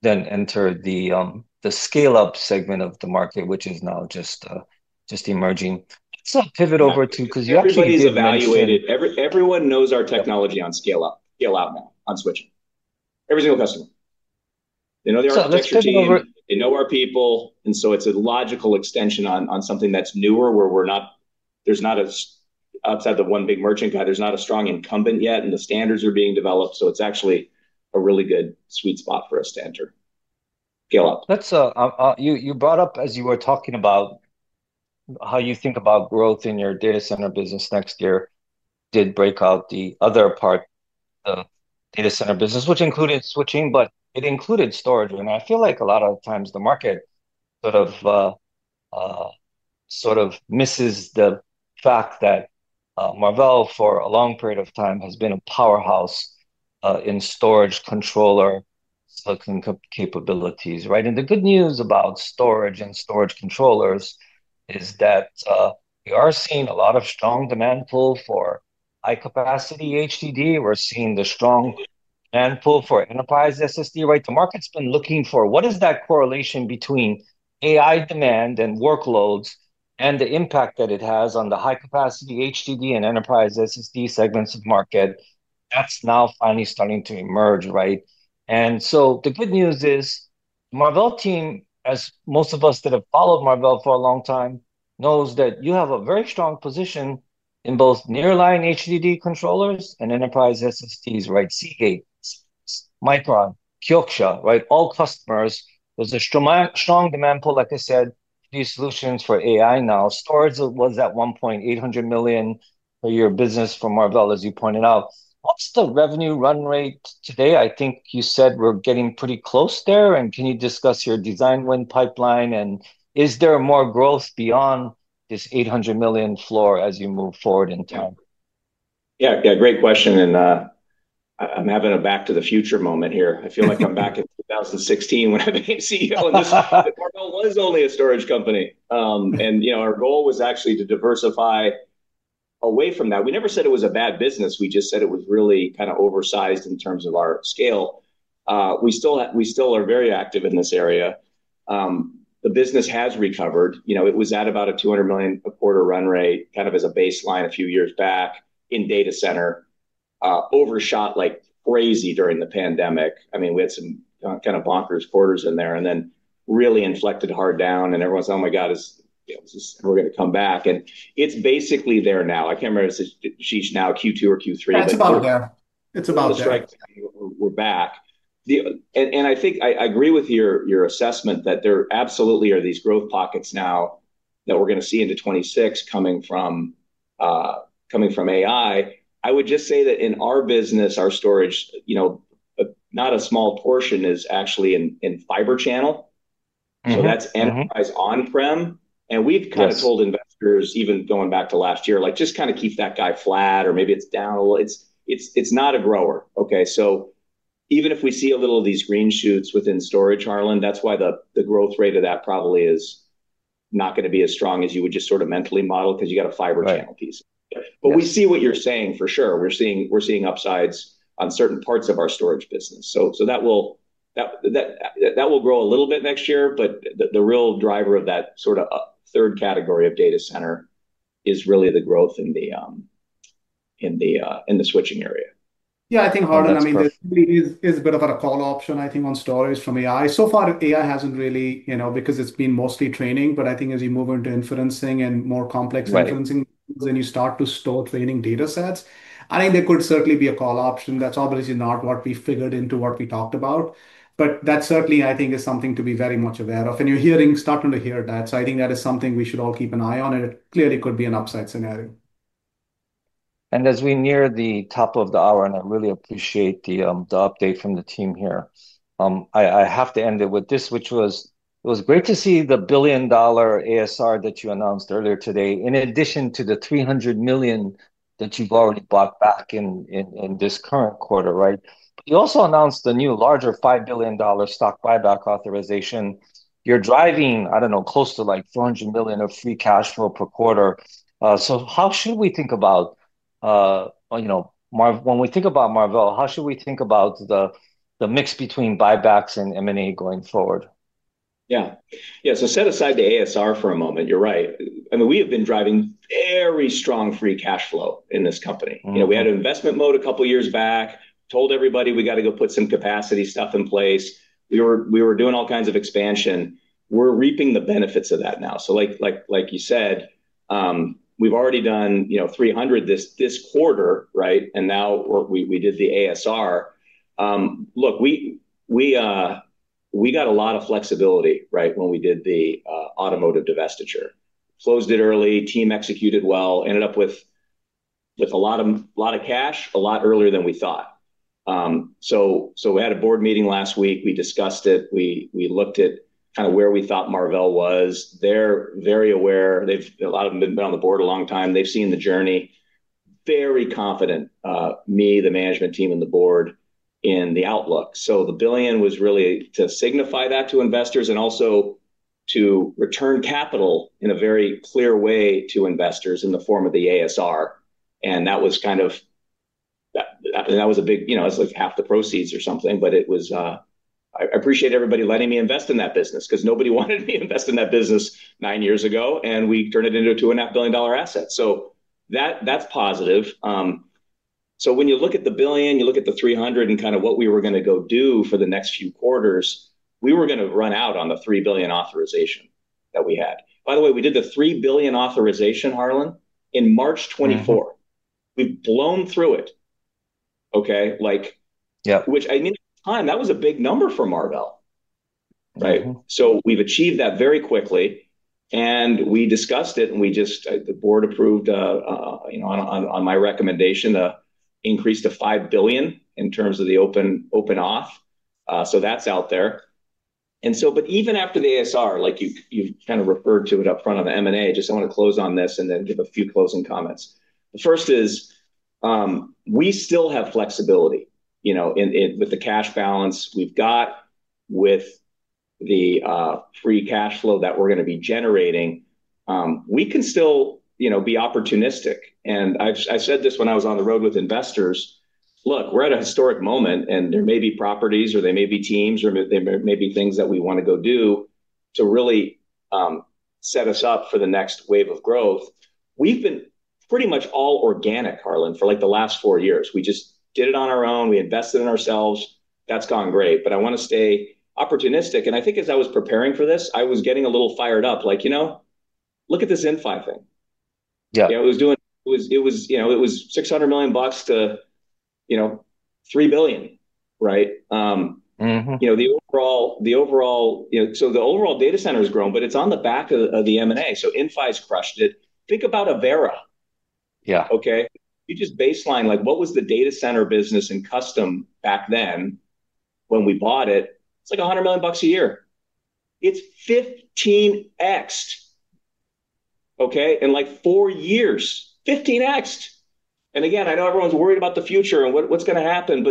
then enter the scale up segment of the market, which is now just emerging. Let's pivot over to because you actually just mentioned that. Everyone knows our technology on scale up, scale out, on switching. Every single customer, they know they are our customer, they know our people. It's a logical extension on something that's newer where we're not, there's not as, outside the one big merchant guy, there's not a strong incumbent yet. The standards are being developed. It's actually a really good sweet spot for us to enter scale up. You brought up, as you were talking about how you think about growth in your data center business next year, did break out the other part of the data center business, which included switching. It included storage. I feel like a lot of times, the market sort of misses the fact that Marvell for a long period of time has been a powerhouse in storage controller hooking capabilities, right? The good news about storage and storage controllers is that we are seeing a lot of strong demand pull for high-capacity HDD. We're seeing the strong demand pull for enterprise SSD, right? The market's been looking for what is that correlation between AI demand and workloads and the impact that it has on the high-capacity HDD and enterprise SSD segments of market. That's now finally starting to emerge, right? The good news is Marvell team, as most of us that have followed Marvell for a long time, knows that you have a very strong position in both near-line HDD controllers and enterprise SSDs, right? Seagate, Micron, Kyocera, right? All customers with a strong demand pull, like I said, these solutions for AI now. Storage was at $1.8 billion per year business for Marvell, as you pointed out. What's the revenue run rate today? I think you said we're getting pretty close there. Can you discuss your design win pipeline? Is there more growth beyond this $800 million floor as you move forward in town? Yeah, great question. I'm having a back to the future moment here. I feel like I'm back in 2016 when I became CEO of this. Marvell was only a storage company. You know, our goal was actually to diversify away from that. We never said it was a bad business. We just said it was really kind of oversized in terms of our scale. We still are very active in this area. The business has recovered. It was at about a $200 million a quarter run rate kind of as a baseline a few years back in data center, overshot like crazy during the pandemic. I mean, we had some kind of bonkers quarters in there. It really inflected hard down. Everyone's, oh my god, is this ever going to come back? It's basically there now. I can't remember if she's now Q2 or Q3. It's about there. It's about there. We're back. I think I agree with your assessment that there absolutely are these growth pockets now that we're going to see into 2026 coming from AI. I would just say that in our business, our storage, you know, not a small portion is actually in fiber channel. That's enterprise on-prem. We've kind of told investors, even going back to last year, just kind of keep that guy flat, or maybe it's down a little. It's not a grower, OK? Even if we see a little of these green shoots within storage, Harlan, that's why the growth rate of that probably is not going to be as strong as you would just sort of mentally model because you've got a fiber channel piece. We see what you're saying for sure. We're seeing upsides on certain parts of our storage business. That will grow a little bit next year. The real driver of that sort of third category of data center is really the growth in the switching area. Yeah, I think, Harlan, there is a bit of a call option, I think, on storage from AI. So far, AI hasn't really, you know, because it's been mostly training. I think as you move into inferencing and more complex inferencing, then you start to store training data sets. I think there could certainly be a call option. That's obviously not what we figured into what we talked about. That certainly, I think, is something to be very much aware of. You're starting to hear that. I think that is something we should all keep an eye on. It clearly could be an upside scenario. As we near the top of the hour, I really appreciate the update from the team here. I have to end it with this, which was it was great to see the billion dollar ASR that you announced earlier today in addition to the $300 million that you've already bought back in this current quarter, right? You also announced the new larger $5 billion stock buyback authorization. You're driving, I don't know, close to like $400 million of free cash flow per quarter. How should we think about, you know, when we think about Marvell, how should we think about the mix between buybacks and M&A going forward? Yeah, yeah, set aside the ASR for a moment. You're right. I mean, we have been driving very strong free cash flow in this company. We had an investment mode a couple of years back, told everybody we got to go put some capacity stuff in place. We were doing all kinds of expansion. We're reaping the benefits of that now. Like you said, we've already done, you know, $300 million this quarter, right? Now we did the ASR. Look, we got a lot of flexibility, right, when we did the automotive divestiture. Closed it early. Team executed well. Ended up with a lot of cash a lot earlier than we thought. We had a board meeting last week. We discussed it. We looked at kind of where we thought Marvell was. They're very aware. A lot of them have been on the board a long time. They've seen the journey. Very confident, me, the management team, and the board in the outlook. The $1 billion was really to signify that to investors and also to return capital in a very clear way to investors in the form of the ASR. That was kind of, that was a big, you know, it's like half the proceeds or something. I appreciate everybody letting me invest in that business because nobody wanted me to invest in that business nine years ago. We turned it into a $2.5 billion asset. That's positive. When you look at the $1 billion, you look at the $300 million and kind of what we were going to go do for the next few quarters, we were going to run out on the $3 billion authorization that we had. By the way, we did the $3 billion authorization, Harlan, in March 2024. We've blown through it, OK? At the time, that was a big number for Marvell, right? We've achieved that very quickly. We discussed it. The board approved, you know, on my recommendation, an increase to $5 billion in terms of the open authorization. That's out there. Even after the ASR, like you kind of referred to it up front on the M&A, I just want to close on this and then give a few closing comments. The first is we still have flexibility, you know, with the cash balance we've got, with the free cash flow that we're going to be generating. We can still, you know, be opportunistic. I've said this when I was on the road with investors. Look, we're at a historic moment. There may be properties, or there may be teams, or there may be things that we want to go do to really set us up for the next wave of growth. We've been pretty much all organic, Harlan, for like the last four years. We just did it on our own. We invested in ourselves. That's gone great. I want to stay opportunistic. I think as I was preparing for this, I was getting a little fired up. Like, you know, look at this Inphi thing. Yeah, it was doing, it was, you know, it was $600 million to, you know, $3 billion, right? The overall, the overall, you know, so the overall data center has grown. It's on the back of the M&A. Inphi's crushed it. Think about Avera, OK? You just baseline, like what was the data center business in custom back then when we bought it? It's like $100 million a year. It's 15x, OK? In like four years, 15x. I know everyone's worried about the future and what's going to happen.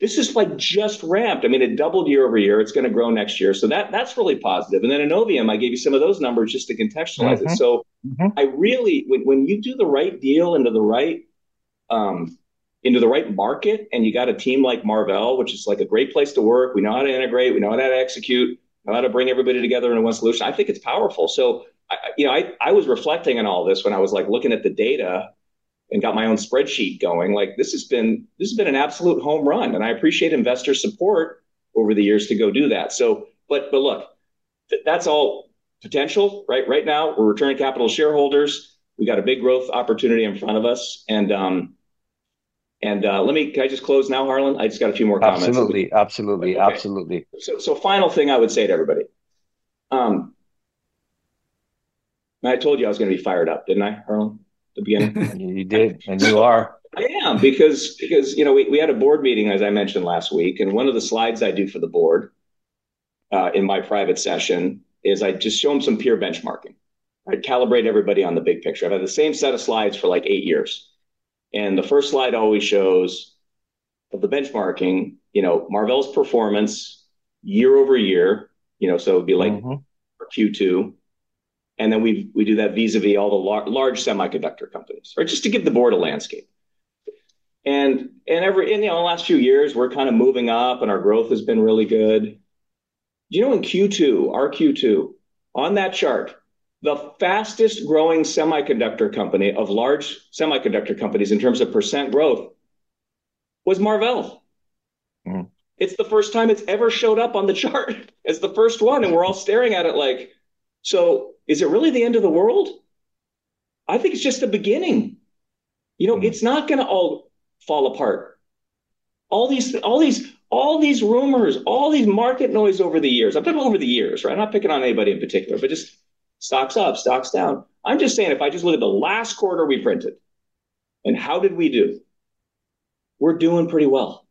This is like just ramped. I mean, it doubled year over year. It's going to grow next year. That's really positive. Innovium, I gave you some of those numbers just to contextualize it. When you do the right deal into the right market and you've got a team like Marvell, which is like a great place to work, we know how to integrate. We know how to execute. We know how to bring everybody together in one solution. I think it's powerful. I was reflecting on all this when I was looking at the data and got my own spreadsheet going. This has been an absolute home run. I appreciate investor support over the years to go do that. Look, that's all potential, right? Right now, we're returning capital to shareholders. We've got a big growth opportunity in front of us. Let me, can I just close now, Harlan? I just got a few more comments. Absolutely, absolutely, absolutely. The final thing I would say to everybody, and I told you I was going to be fired up, didn't I, Harlan, at the beginning? You did, and you are. I am because, you know, we had a board meeting, as I mentioned, last week. One of the slides I do for the board in my private session is I just show them some pure benchmarking. I calibrate everybody on the big picture. I've had the same set of slides for like eight years. The first slide always shows of the benchmarking, you know, Marvell's performance year over year, you know, so it would be like Q2. We do that vis-a-vis all the large semiconductor companies, just to give the board a landscape. In the last few years, we're kind of moving up. Our growth has been really good. Do you know in Q2, our Q2, on that chart, the fastest growing semiconductor company of large semiconductor companies in terms of percent growth was Marvell. It's the first time it's ever showed up on the chart as the first one. We're all staring at it like, so is it really the end of the world? I think it's just the beginning. It's not going to all fall apart. All these, all these rumors, all these market noise over the years, I'm talking over the years, right? I'm not picking on anybody in particular. Just stocks up, stocks down. I'm just saying if I just look at the last quarter we printed and how did we do, we're doing pretty well.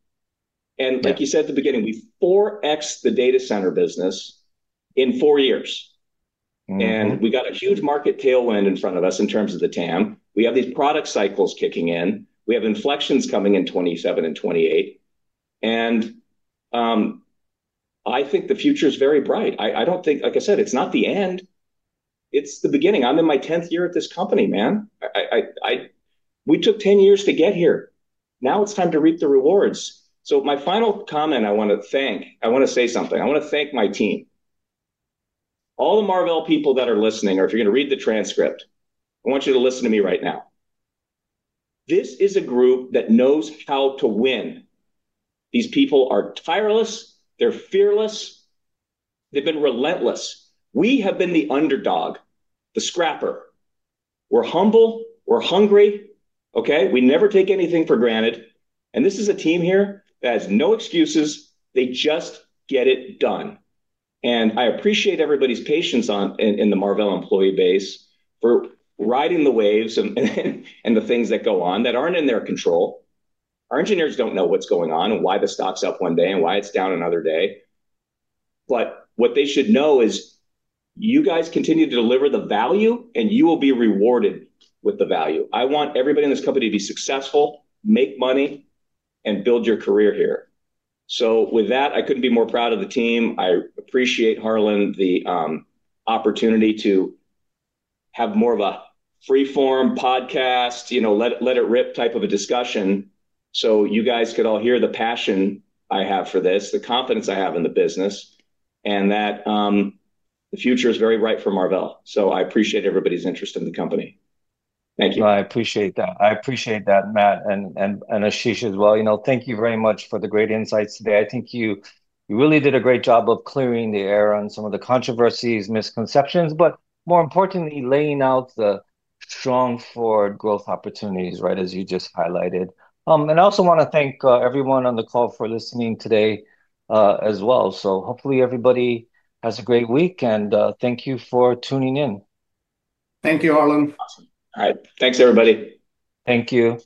Like you said at the beginning, we 4x-ed the data center business in four years. We've got a huge market tailwind in front of us in terms of the TAM. We have these product cycles kicking in. We have inflections coming in 2027 and 2028. I think the future is very bright. I don't think, like I said, it's not the end. It's the beginning. I'm in my 10th year at this company, man. We took 10 years to get here. Now it's time to reap the rewards. My final comment I want to thank, I want to say something. I want to thank my team, all the Marvell people that are listening, or if you're going to read the transcript, I want you to listen to me right now. This is a group that knows how to win. These people are tireless. They're fearless. They've been relentless. We have been the underdog, the scrapper. We're humble. We're hungry, OK? We never take anything for granted. This is a team here that has no excuses. They just get it done. I appreciate everybody's patience in the Marvell employee base for riding the waves and the things that go on that aren't in their control. Our engineers don't know what's going on and why this stops up one day and why it's down another day. What they should know is you guys continue to deliver the value, and you will be rewarded with the value. I want everybody in this company to be successful, make money, and build your career here. With that, I couldn't be more proud of the team. I appreciate, Harlan, the opportunity to have more of a freeform podcast, you know, let it rip type of a discussion so you guys could all hear the passion I have for this, the confidence I have in the business, and that the future is very bright for Marvell. I appreciate everybody's interest in the company. Thank you. I appreciate that. I appreciate that, Matt, and Ashish as well. Thank you very much for the great insights today. I think you really did a great job of clearing the air on some of the controversies, misconceptions, but more importantly, laying out the strong for growth opportunities, right, as you just highlighted. I also want to thank everyone on the call for listening today as well. Hopefully everybody has a great week, and thank you for tuning in. Thank you, Harlan. All right, thanks everybody. Thank you.